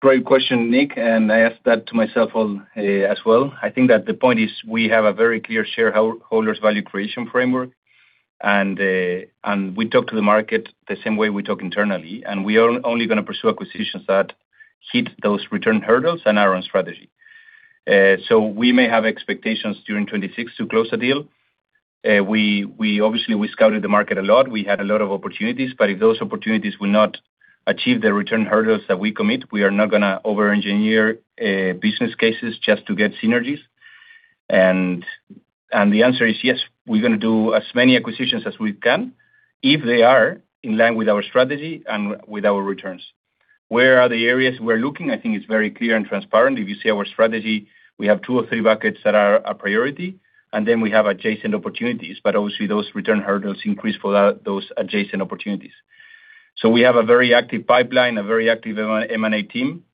Great question, Nick, and I ask that to myself as well. I think that the point is we have a very clear shareholders' value creation framework, and we talk to the market the same way we talk internally, and we are only going to pursue acquisitions that hit those return hurdles and are on strategy. We may have expectations during 2026 to close the deal. We obviously scouted the market a lot. We had a lot of opportunities, but if those opportunities will not achieve the return hurdles that we commit, we are not going to over-engineer business cases just to get synergies. The answer is yes, we are going to do as many acquisitions as we can if they are in line with our strategy and with our returns. Where are the areas we are looking? I think it's very clear and transparent. If you see our strategy, we have two or three buckets that are a priority, and then we have adjacent opportunities. Obviously, those return hurdles increase for those adjacent opportunities. We have a very active pipeline, a very active M&A team.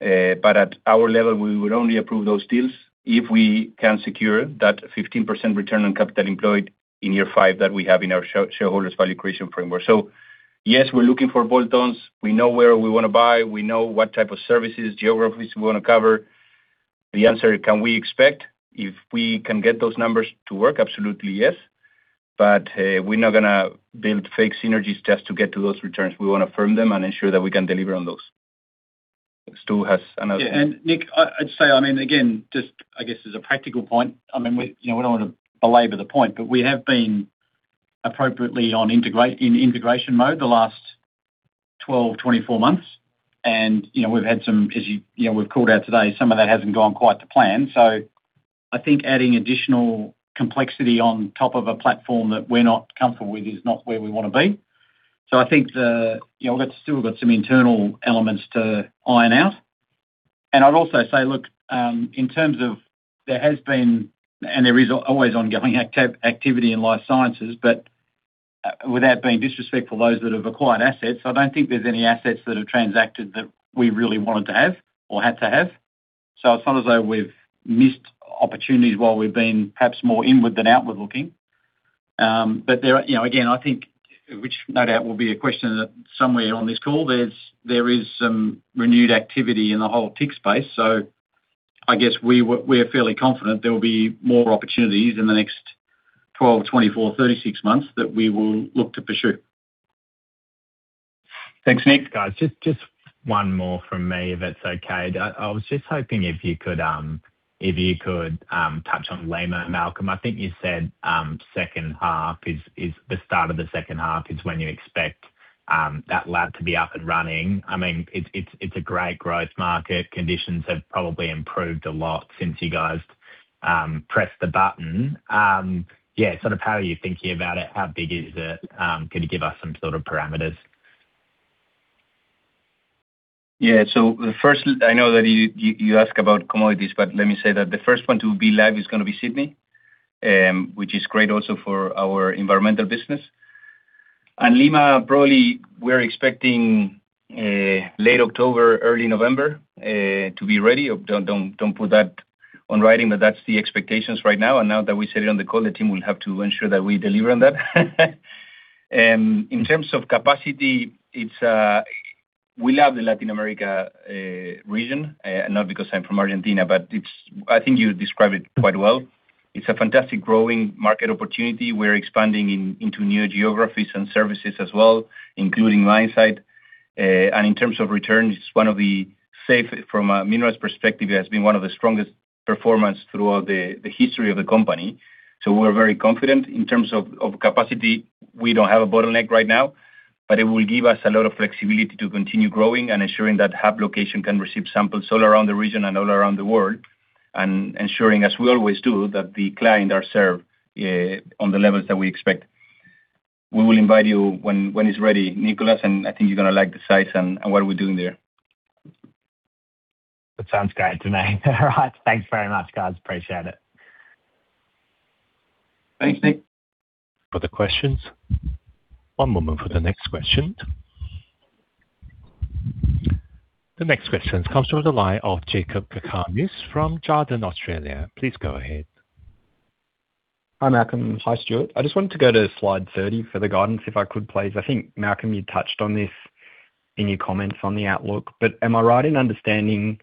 At our level, we would only approve those deals if we can secure that 15% return on capital employed in year five that we have in our shareholders value creation framework. Yes, we're looking for bolt-ons. We know where we wanna buy. We know what type of services, geographies we wanna cover. The answer, can we expect if we can get those numbers to work? Absolutely, yes. We're not gonna build fake synergies just to get to those returns. We wanna firm them and ensure that we can deliver on those. Stu has another- Yeah. Nick, I'd say, I mean, again, just I guess as a practical point, I mean, we, you know, we don't wanna belabor the point, but we have been appropriately in integration mode the last 12, 24 months. You know, we've had some, as you know, we've called out today, some of that hasn't gone quite to plan. I think adding additional complexity on top of a platform that we're not comfortable with is not where we wanna be. I think the, you know, we still have got some internal elements to iron out. I'd also say, look, in terms of there has been, and there is always ongoing activity in Life Sciences, but without being disrespectful to those that have acquired assets, I don't think there's any assets that have transacted that we really wanted to have or had to have. As long as though we've missed opportunities while we've been perhaps more inward than outward looking, but there are, you know, again, I think, which no doubt will be a question that somewhere on this call, there is some renewed activity in the whole TIC space. I guess we are fairly confident there will be more opportunities in the next 12, 24, 36 months that we will look to pursue. Thanks, Nick. Guys, just one more from me, if it's okay. I was just hoping if you could touch on Lima, Malcolm. I think you said second half is the start of the second half is when you expect that lab to be up and running. I mean, it's a great growth market. Conditions have probably improved a lot since you guys pressed the button. Yeah, sort of how are you thinking about it? How big is it? Can you give us some sort of parameters? Yeah. First, I know that you ask about Commodities, but let me say that the first one to be live is gonna be Sydney, which is great also for our Environmental business. Lima, probably we're expecting late October, early November to be ready. Don't put that on writing, but that's the expectations right now. Now that we said it on the call, the team will have to ensure that we deliver on that. In terms of capacity, we love the Latin America region, not because I'm from Argentina, but I think you described it quite well. It's a fantastic growing market opportunity. We're expanding into new geographies and services as well, including mine site. In terms of returns, it's one of the safest from a Minerals perspective, it has been one of the strongest performances throughout the history of the company. We're very confident. In terms of capacity, we don't have a bottleneck right now, but it will give us a lot of flexibility to continue growing and ensuring that hub location can receive samples all around the region and all around the world, and ensuring, as we always do, that the clients are served on the levels that we expect. We will invite you when it's ready, Nicholas, and I think you're gonna like the size and what we're doing there. That sounds great to me. All right. Thanks very much, guys. Appreciate it. Thanks, Nick. Further questions. One moment for the next question. The next question comes from the line of Jakob Cakarnis from Jarden, Australia. Please go ahead. Hi, Malcolm. Hi, Stuart. I just wanted to go to slide 30 for the guidance, if I could please. I think, Malcolm, you touched on this in your comments on the outlook, but am I right in understanding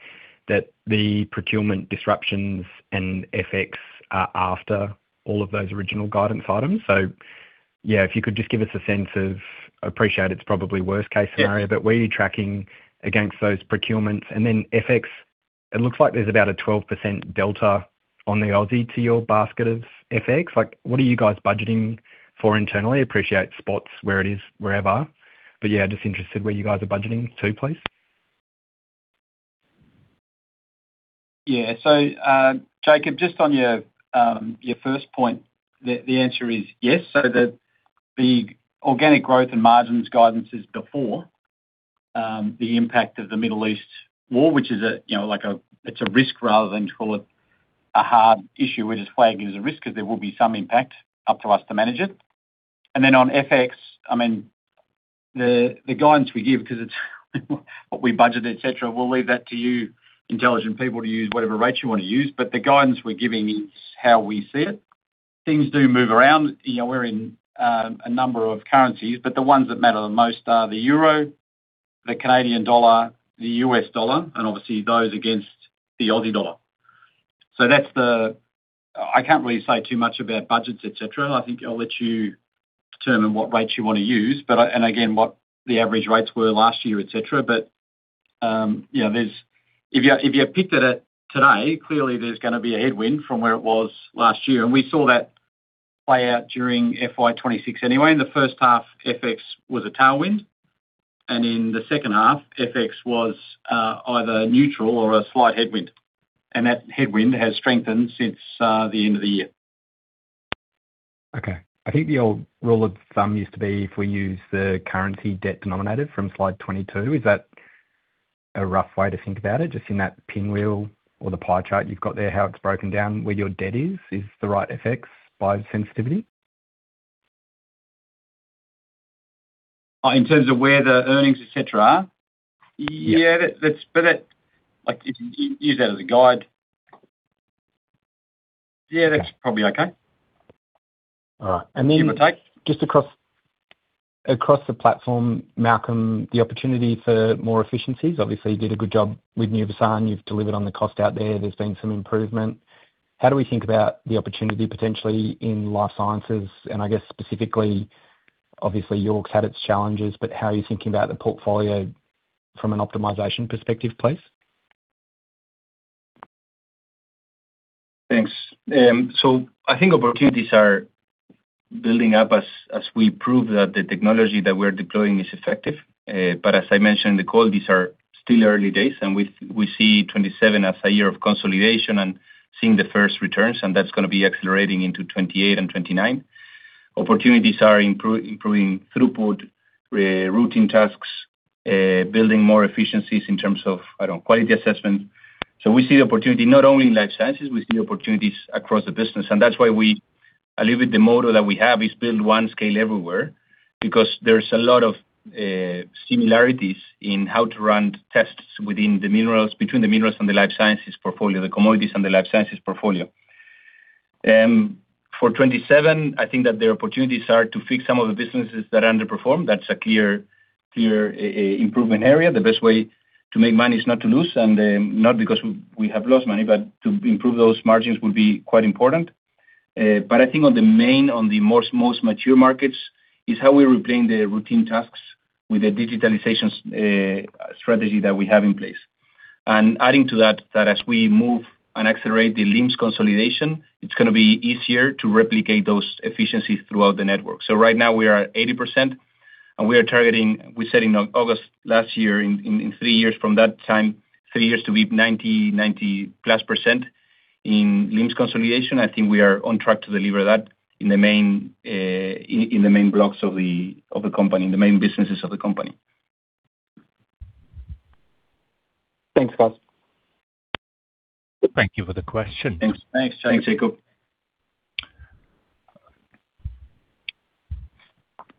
that the procurement disruptions and FX are after all of those original guidance items? Yeah, if you could just give us a sense of, I appreciate it's probably worse case scenario but... Yeah. -where are you tracking against those procurements? FX, it looks like there's about a 12% delta on the Aussie to your basket of FX? Like, what are you guys budgeting for internally? Appreciate spots where it is, wherever. Yeah, just interested where you guys are budgeting too, please. Jakob, just on your first point, the answer is yes. The organic growth and margins guidance is before the impact of the Middle East war, which is, you know, it's a risk rather than call it a hard issue. We're just flagging as a risk because there will be some impact, up to us to manage it. On FX, I mean, the guidance we give because it's what we budget, et cetera, we'll leave that to you intelligent people to use whatever rates you wanna use. The guidance we're giving is how we see it. Things do move around. You know, we're in a number of currencies, but the ones that matter the most are the euro, the Canadian dollar, the U.S. dollar, and obviously those against the Aussie dollar. I can't really say too much about budgets, et cetera. I think I'll let you determine what rates you wanna use, and again, what the average rates were last year, et cetera. You know, if you, if you picked it at today, clearly there's gonna be a headwind from where it was last year. We saw that play out during FY 2026 anyway. In the first half, FX was a tailwind, and in the second half, FX was either neutral or a slight headwind. That headwind has strengthened since the end of the year. Okay. I think the old rule of thumb used to be if we use the currency debt denominated from slide 22. Is that a rough way to think about it? Just in that pinwheel or the pie chart you've got there, how it's broken down, where your debt is the right FX by sensitivity? In terms of where the earnings, et cetera are? Yeah. Yeah, that's. Like, you can use that as a guide. Yeah, that's probably okay. All right. Give or take. Just across the platform, Malcolm, the opportunity for more efficiencies. Obviously, you did a good job with Nuvisan. You've delivered on the cost out there. There's been some improvement. How do we think about the opportunity potentially in Life Sciences? I guess specifically, obviously, York's had its challenges, but how are you thinking about the portfolio from an optimization perspective, please? Thanks. I think opportunities are building up as we prove that the technology that we're deploying is effective. As I mentioned in the call, these are still early days, and we see 2027 as a year of consolidation and seeing the first returns, and that's going to be accelerating into 2028 and 2029. Opportunities are improving throughput, routing tasks, building more efficiencies in terms of, I don't know, quality assessment. We see opportunity not only in Life Sciences, we see opportunities across the business. That's why the model that we have is build one scale everywhere because there's a lot of similarities in how to run tests between the Minerals and the Life Sciences portfolio, the Commodities and the Life Sciences portfolio. For 2027, I think that the opportunities are to fix some of the businesses that underperform. That's a clear improvement area. The best way to make money is not to lose, not because we have lost money, but to improve those margins would be quite important. I think on the main, on the most mature markets is how we replacing the routine tasks with the digitalization strategy that we have in place. Adding to that as we move and accelerate the LIMS consolidation, it's gonna be easier to replicate those efficiencies throughout the network. Right now we are at 80% and we are targeting we said in August last year, in three years from that time, three years to be 90%, +90% in LIMS consolidation. I think we are on track to deliver that in the main, in the main blocks of the company, in the main businesses of the company. Thanks, guys. Thank you for the question. Thanks. Thanks. Thanks, Jakob.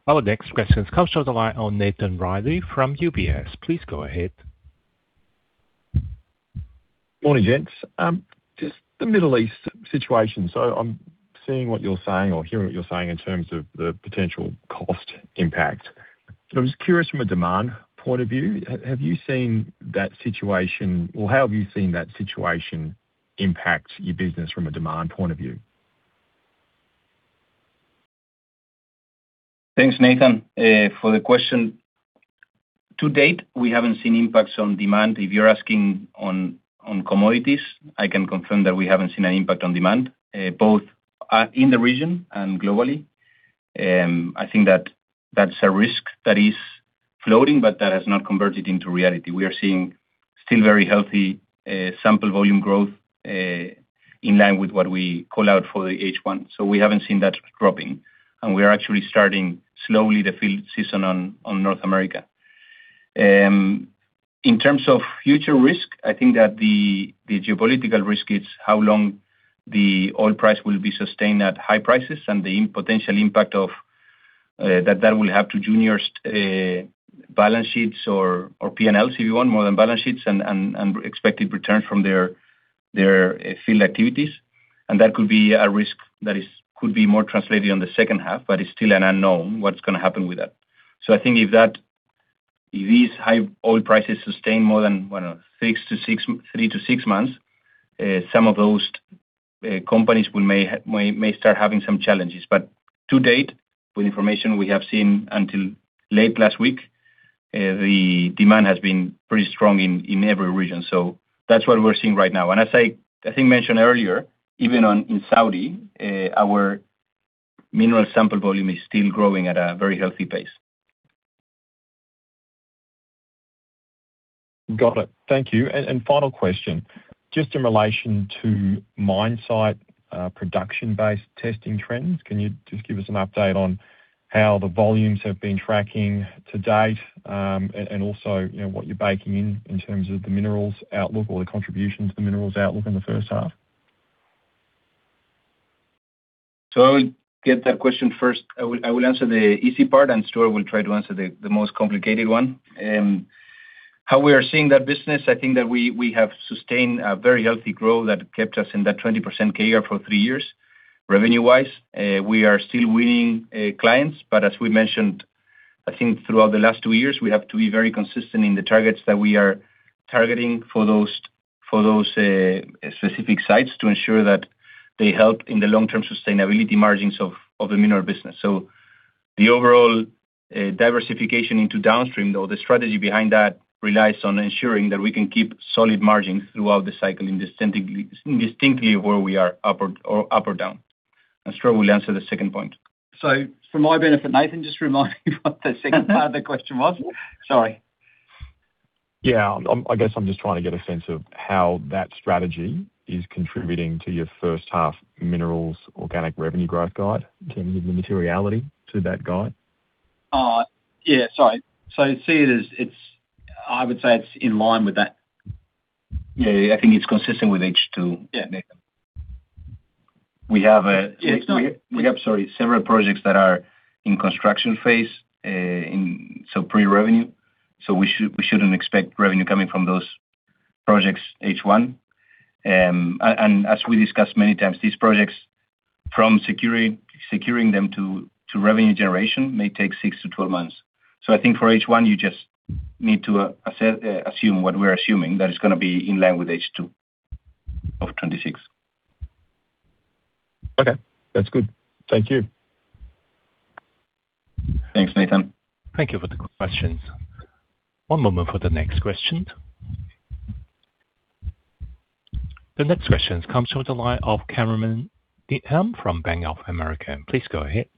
Our next question comes from the line of Nathan Reilly from UBS. Please go ahead. Morning, gents. Just the Middle East situation. I'm seeing what you're saying or hearing what you're saying in terms of the potential cost impact. I'm just curious from a demand point of view, have you seen that situation or how have you seen that situation impact your business from a demand point of view? Thanks, Nathan, for the question. To date, we haven't seen impacts on demand. If you're asking on Commodities, I can confirm that we haven't seen an impact on demand, both in the region and globally. I think that that's a risk that is floating. That has not converted into reality. We are seeing still very healthy sample volume growth in line with what we call out for the H1. We haven't seen that dropping. We are actually starting slowly the field season on North America. In terms of future risk, I think that the geopolitical risk is how long the oil price will be sustained at high prices and the potential impact that will have to junior balance sheets or P&Ls, if you want, more than balance sheets and expected return from their field activities. That could be a risk that could be more translated on the second half, but it's still an unknown what's going to happen with that. I think if these high oil prices sustain more than, I don't know, three to six months, some of those companies will start having some challenges. To date, with information we have seen until late last week, the demand has been pretty strong in every region. That's what we're seeing right now. As I think mentioned earlier, even in Saudi, our mineral sample volume is still growing at a very healthy pace. Got it. Thank you. Final question, just in relation to mine site, production-based testing trends, can you just give us an update on how the volumes have been tracking to date? Also, you know, what you're baking in terms of the Minerals outlook or the contribution to the Minerals outlook in the first half? I will get that question first. I will answer the easy part, and Stuart will try to answer the most complicated one. How we are seeing that business, I think that we have sustained a very healthy growth that kept us in that 20% CAGR for three years. Revenue-wise, we are still winning clients, but as we mentioned, I think throughout the last two years, we have to be very consistent in the targets that we are targeting for those specific sites to ensure that they help in the long-term sustainability margins of the Mineral business. The overall diversification into downstream, though the strategy behind that relies on ensuring that we can keep solid margins throughout the cycle indistinctly where we are up or down. Stuart will answer the second point. For my benefit, Nathan, just remind me what the second part of the question was. Sorry. Yeah. I guess I'm just trying to get a sense of how that strategy is contributing to your first half Minerals organic revenue growth guide in terms of the materiality to that guide. Yeah, sorry. See it as I would say it's in line with that. Yeah. I think it's consistent with H2. Yeah. We have, uh- It's not- We have, sorry, several projects that are in construction phase, pre-revenue. We shouldn't expect revenue coming from those projects H1. And as we discussed many times, these projects from securing them to revenue generation may take 6-12 months. I think for H1 you just need to assume what we're assuming, that it's gonna be in line with H2 of 2026. Okay. That's good. Thank you. Thanks, Nathan. Thank you for the questions. One moment for the next question. The next question comes from the line of Cameron Needham from Bank of America. Please go ahead.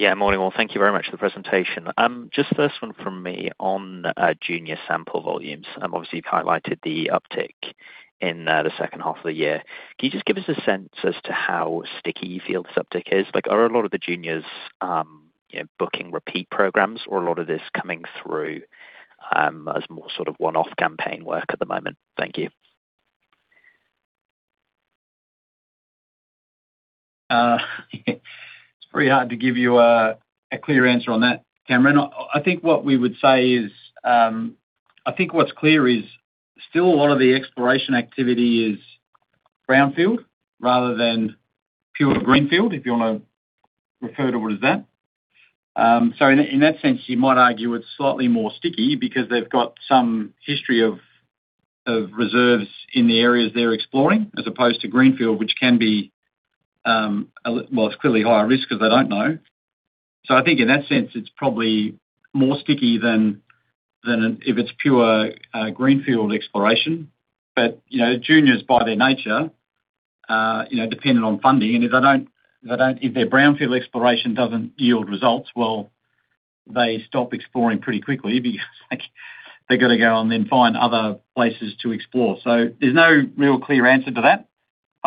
Yeah. Morning, all. Thank you very much for the presentation. Just first one from me on junior sample volumes. Obviously, you've highlighted the uptick in the second half of the year. Can you just give us a sense as to how sticky you feel this uptick is? Like, are a lot of the juniors, you know, booking repeat programs or a lot of this coming through as more sort of one-off campaign work at the moment? Thank you. It's pretty hard to give you a clear answer on that, Cameron. I think what we would say is, I think what's clear is still a lot of the exploration activity is brownfield rather than pure greenfield, if you wanna refer to it as that. In that sense, you might argue it's slightly more sticky because they've got some history of reserves in the areas they're exploring as opposed to greenfield, which can be, it's clearly higher risk 'cause they don't know. I think in that sense, it's probably more sticky than if it's pure greenfield exploration. You know, juniors by their nature, you know, dependent on funding. If their brownfield exploration doesn't yield results, well, they stop exploring pretty quickly because like they gotta go and then find other places to explore. There's no real clear answer to that.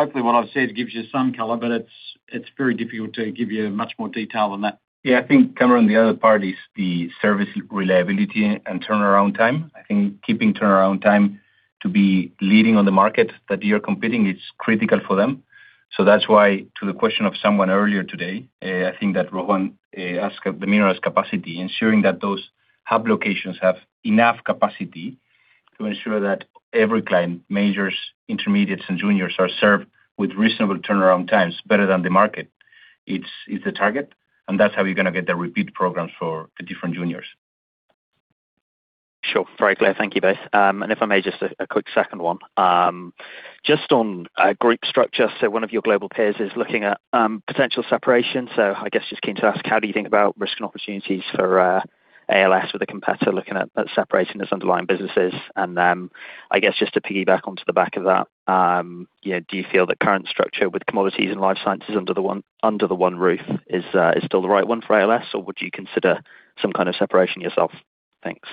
Hopefully, what I've said gives you some color, but it's very difficult to give you much more detail than that. Yeah. I think, Cameron, the other part is the service reliability and turnaround time. I think keeping turnaround time to be leading on the market that you're competing is critical for them. That's why, to the question of someone earlier today, I think that Rohan asked the Minerals capacity, ensuring that those hub locations have enough capacity to ensure that every client, majors, intermediates, and juniors are served with reasonable turnaround times better than the market. It's the target, and that's how you're gonna get the repeat programs for the different juniors. Sure. Very clear. Thank you both. If I may, just a quick second one. Just on group structure, one of your global peers is looking at potential separation. I guess just keen to ask, how do you think about risk and opportunities for ALS with a competitor looking at separating its underlying businesses? I guess just to piggyback onto the back of that, you know, do you feel the current structure with Commodities and Life Sciences under the one roof is still the right one for ALS, or would you consider some kind of separation yourself? Thanks.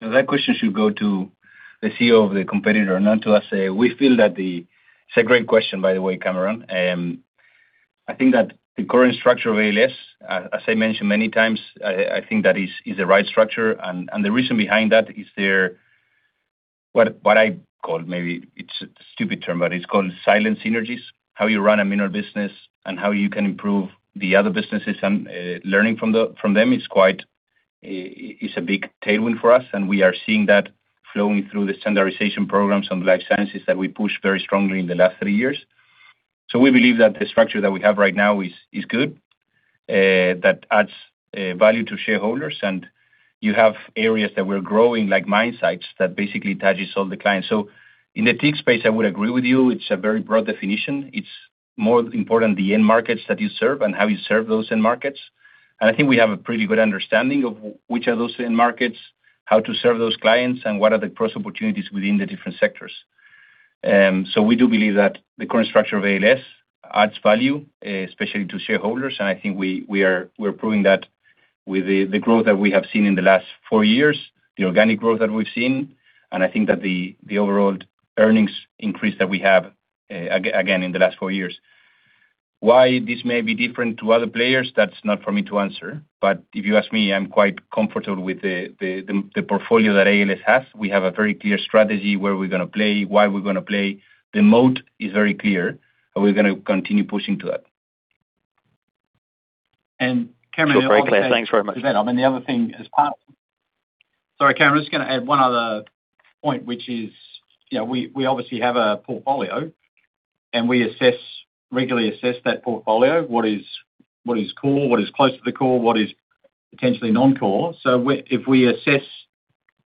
That question should go to the CEO of the competitor, not to us. We feel that It's a great question, by the way, Cameron. I think that the current structure of ALS, as I mentioned many times, I think that is the right structure. The reason behind that is what I call maybe it's a stupid term, but it's called silent synergies. How you run a mineral business and how you can improve the other businesses and learning from them is quite a big tailwind for us, we are seeing that flowing through the standardization programs on Life Sciences that we pushed very strongly in the last three years. We believe that the structure that we have right now is good, that adds value to shareholders. You have areas that we're growing like mine sites that basically touches all the clients. In the TIC space, I would agree with you. It's a very broad definition. It's more important the end markets that you serve and how you serve those end markets. I think we have a pretty good understanding of which are those end markets, how to serve those clients, and what are the cross opportunities within the different sectors. We do believe that the current structure of ALS adds value, especially to shareholders, and I think we're proving that with the growth that we have seen in the last four years, the organic growth that we've seen, and I think that the overall earnings increase that we have again in the last four years. Why this may be different to other players, that's not for me to answer. If you ask me, I'm quite comfortable with the portfolio that ALS has. We have a very clear strategy where we're gonna play, why we're gonna play. The mode is very clear, we're gonna continue pushing to that. Cameron, I'd also- Sure. Very clear. Thanks very much. To that, I mean, the other thing. Sorry Cameron, I'm just gonna add one other point, which is, you know, we obviously have a portfolio, and we regularly assess that portfolio. What is core, what is close to the core, what is potentially non-core. If we assess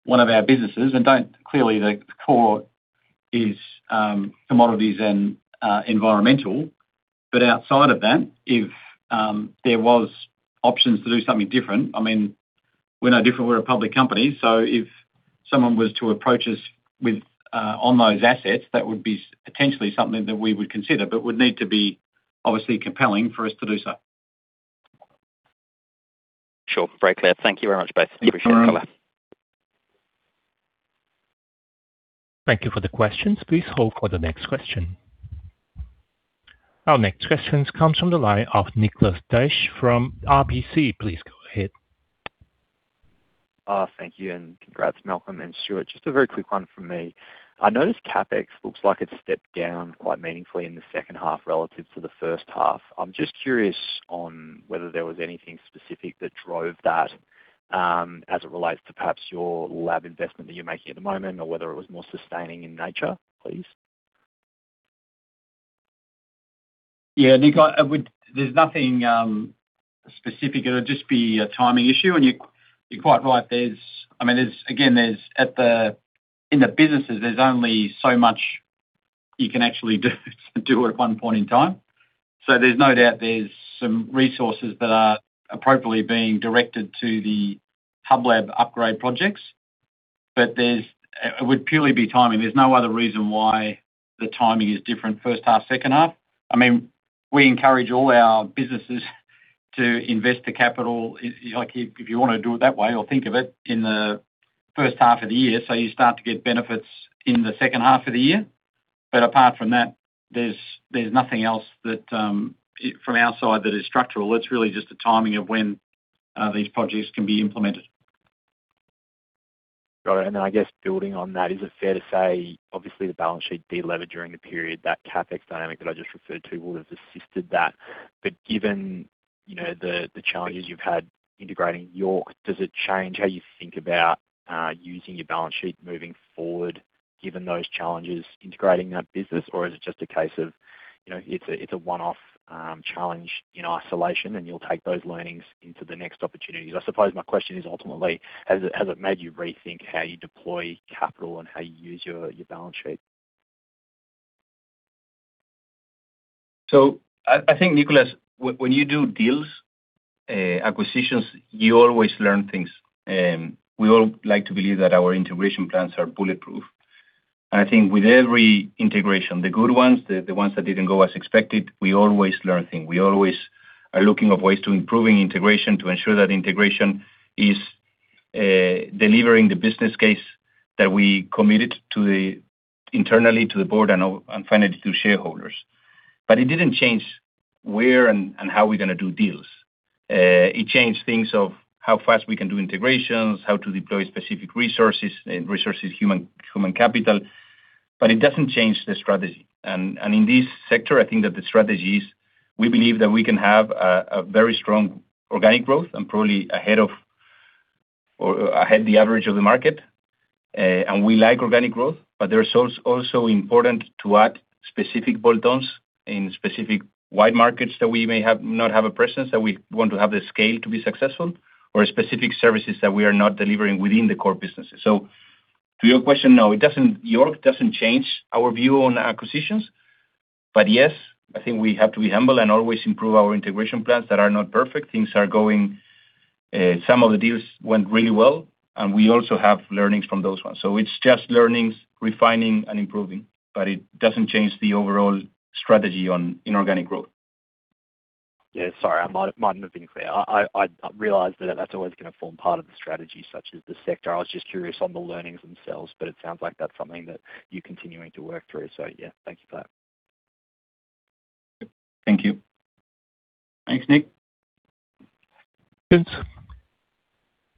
one of our businesses and don't clearly, the core is Commodities and Environmental. Outside of that, if there was options to do something different, I mean, we're no different, we're a public company. If someone was to approach us with on those assets, that would be potentially something that we would consider, but would need to be obviously compelling for us to do so. Sure. Very clear. Thank you very much, both. Appreciate the color. Thanks, Cameron. Thank you for the questions. Please hold for the next question. Our next question comes from the line of Nicholas Daish from RBC. Please go ahead. Thank you, congrats, Malcolm and Stuart. Just a very quick one from me. I noticed CapEx looks like it stepped down quite meaningfully in the second half relative to the first half. I'm just curious on whether there was anything specific that drove that, as it relates to perhaps your lab investment that you're making at the moment or whether it was more sustaining in nature, please. Yeah, Nick, I would. There's nothing specific. It'll just be a timing issue. You're quite right. I mean, there's in the businesses, there's only so much you can actually do at one point in time. There's no doubt there's some resources that are appropriately being directed to the hub lab upgrade projects. It would purely be timing. There's no other reason why the timing is different first half, second half. I mean, we encourage all our businesses to invest the capital. If you like, if you wanna do it that way or think of it in the first half of the year, you start to get benefits in the second half of the year. Apart from that, there's nothing else that from our side that is structural. It's really just a timing of when these projects can be implemented. Got it. I guess building on that, is it fair to say, obviously, the balance sheet delevered during the period, that CapEx dynamic that I just referred to would have assisted that. Given, you know, the challenges you've had integrating York, does it change how you think about using your balance sheet moving forward, given those challenges integrating that business? Is it just a case of, you know, it's a one-off challenge in isolation, and you'll take those learnings into the next opportunities? I suppose my question is ultimately, has it made you rethink how you deploy capital and how you use your balance sheet? I think, Nicholas, when you do deals, acquisitions, you always learn things. We all like to believe that our integration plans are bulletproof. I think with every integration, the good ones, the ones that didn't go as expected, we always learn things. We always are looking of ways to improving integration to ensure that integration is delivering the business case that we committed to the internally to the board and finally to shareholders. It didn't change where and how we're going to do deals. It changed things of how fast we can do integrations, how to deploy specific resources, human capital, but it doesn't change the strategy. In this sector, I think that the strategy is we believe that we can have a very strong organic growth and probably ahead of the average of the market. We like organic growth, but they're also important to add specific bolt-ons in specific wide markets that we may have not have a presence, that we want to have the scale to be successful or specific services that we are not delivering within the core businesses. To your question, no, York doesn't change our view on acquisitions. Yes, I think we have to be humble and always improve our integration plans that are not perfect. Things are going, some of the deals went really well, and we also have learnings from those ones. It's just learnings, refining and improving, but it doesn't change the overall strategy on inorganic growth. Yeah, sorry. I might not have been clear. I realized that that's always gonna form part of the strategy, such as the sector. I was just curious on the learnings themselves, but it sounds like that's something that you're continuing to work through. Yeah. Thank you for that. Thank you. Thanks, Nick.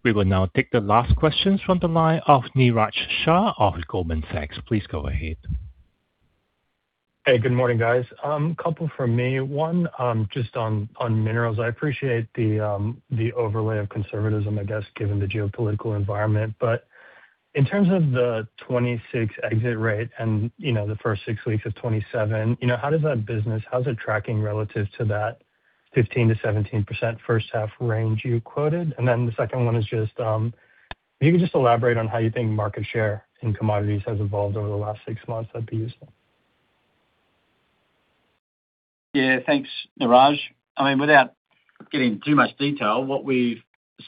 We will now take the last questions from the line of Niraj Shah of Goldman Sachs. Please go ahead. Hey, good morning, guys. Couple from me. One, just on Minerals. I appreciate the overlay of conservatism, I guess, given the geopolitical environment. In terms of the 2026 exit rate and the first six weeks of 2027, how does that business, how is it tracking relative to that 15%-17% first half range you quoted? The second one is just, if you could just elaborate on how you think market share in commodities has evolved over the last six months, that'd be useful. Yeah. Thanks, Niraj. I mean, without getting too much detail, what we've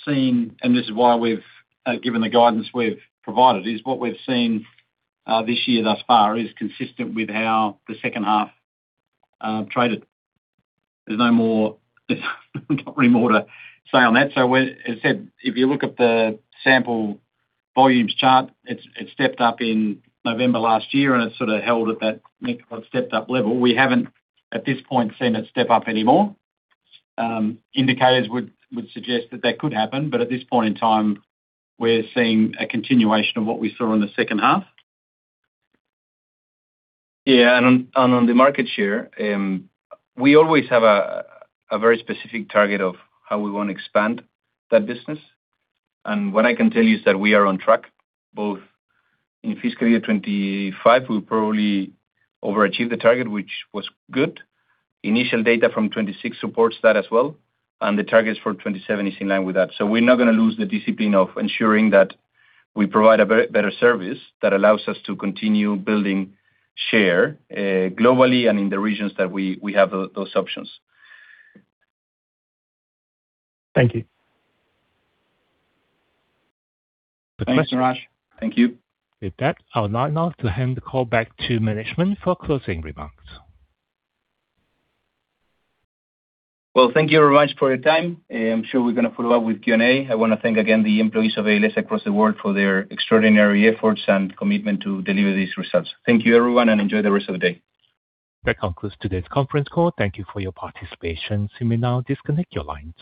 seen, and this is why we've given the guidance we've provided, is what we've seen this year thus far is consistent with how the second half traded. There's no more pretty more to say on that. As I said, if you look at the sample volumes chart, it stepped up in November last year, and it sort of held at that stepped-up level. We haven't, at this point, seen it step up anymore. Indicators would suggest that that could happen, but at this point in time, we're seeing a continuation of what we saw in the second half. Yeah. On the market share, we always have a very specific target of how we want to expand that business. What I can tell you is that we are on track, both in fiscal year 2025, we probably overachieved the target, which was good. Initial data from 2026 supports that as well. The targets for 2027 is in line with that. We're not going to lose the discipline of ensuring that we provide a very better service that allows us to continue building share globally and in the regions that we have those options. Thank you. Thanks, Niraj. Thank you. With that, I would now like to hand the call back to management for closing remarks. Well, thank you very much for your time. I'm sure we're going to follow up with Q&A. I want to thank again the employees of ALS across the world for their extraordinary efforts and commitment to deliver these results. Thank you, everyone, and enjoy the rest of the day. That concludes today's conference call. Thank you for your participation. You may now disconnect your lines.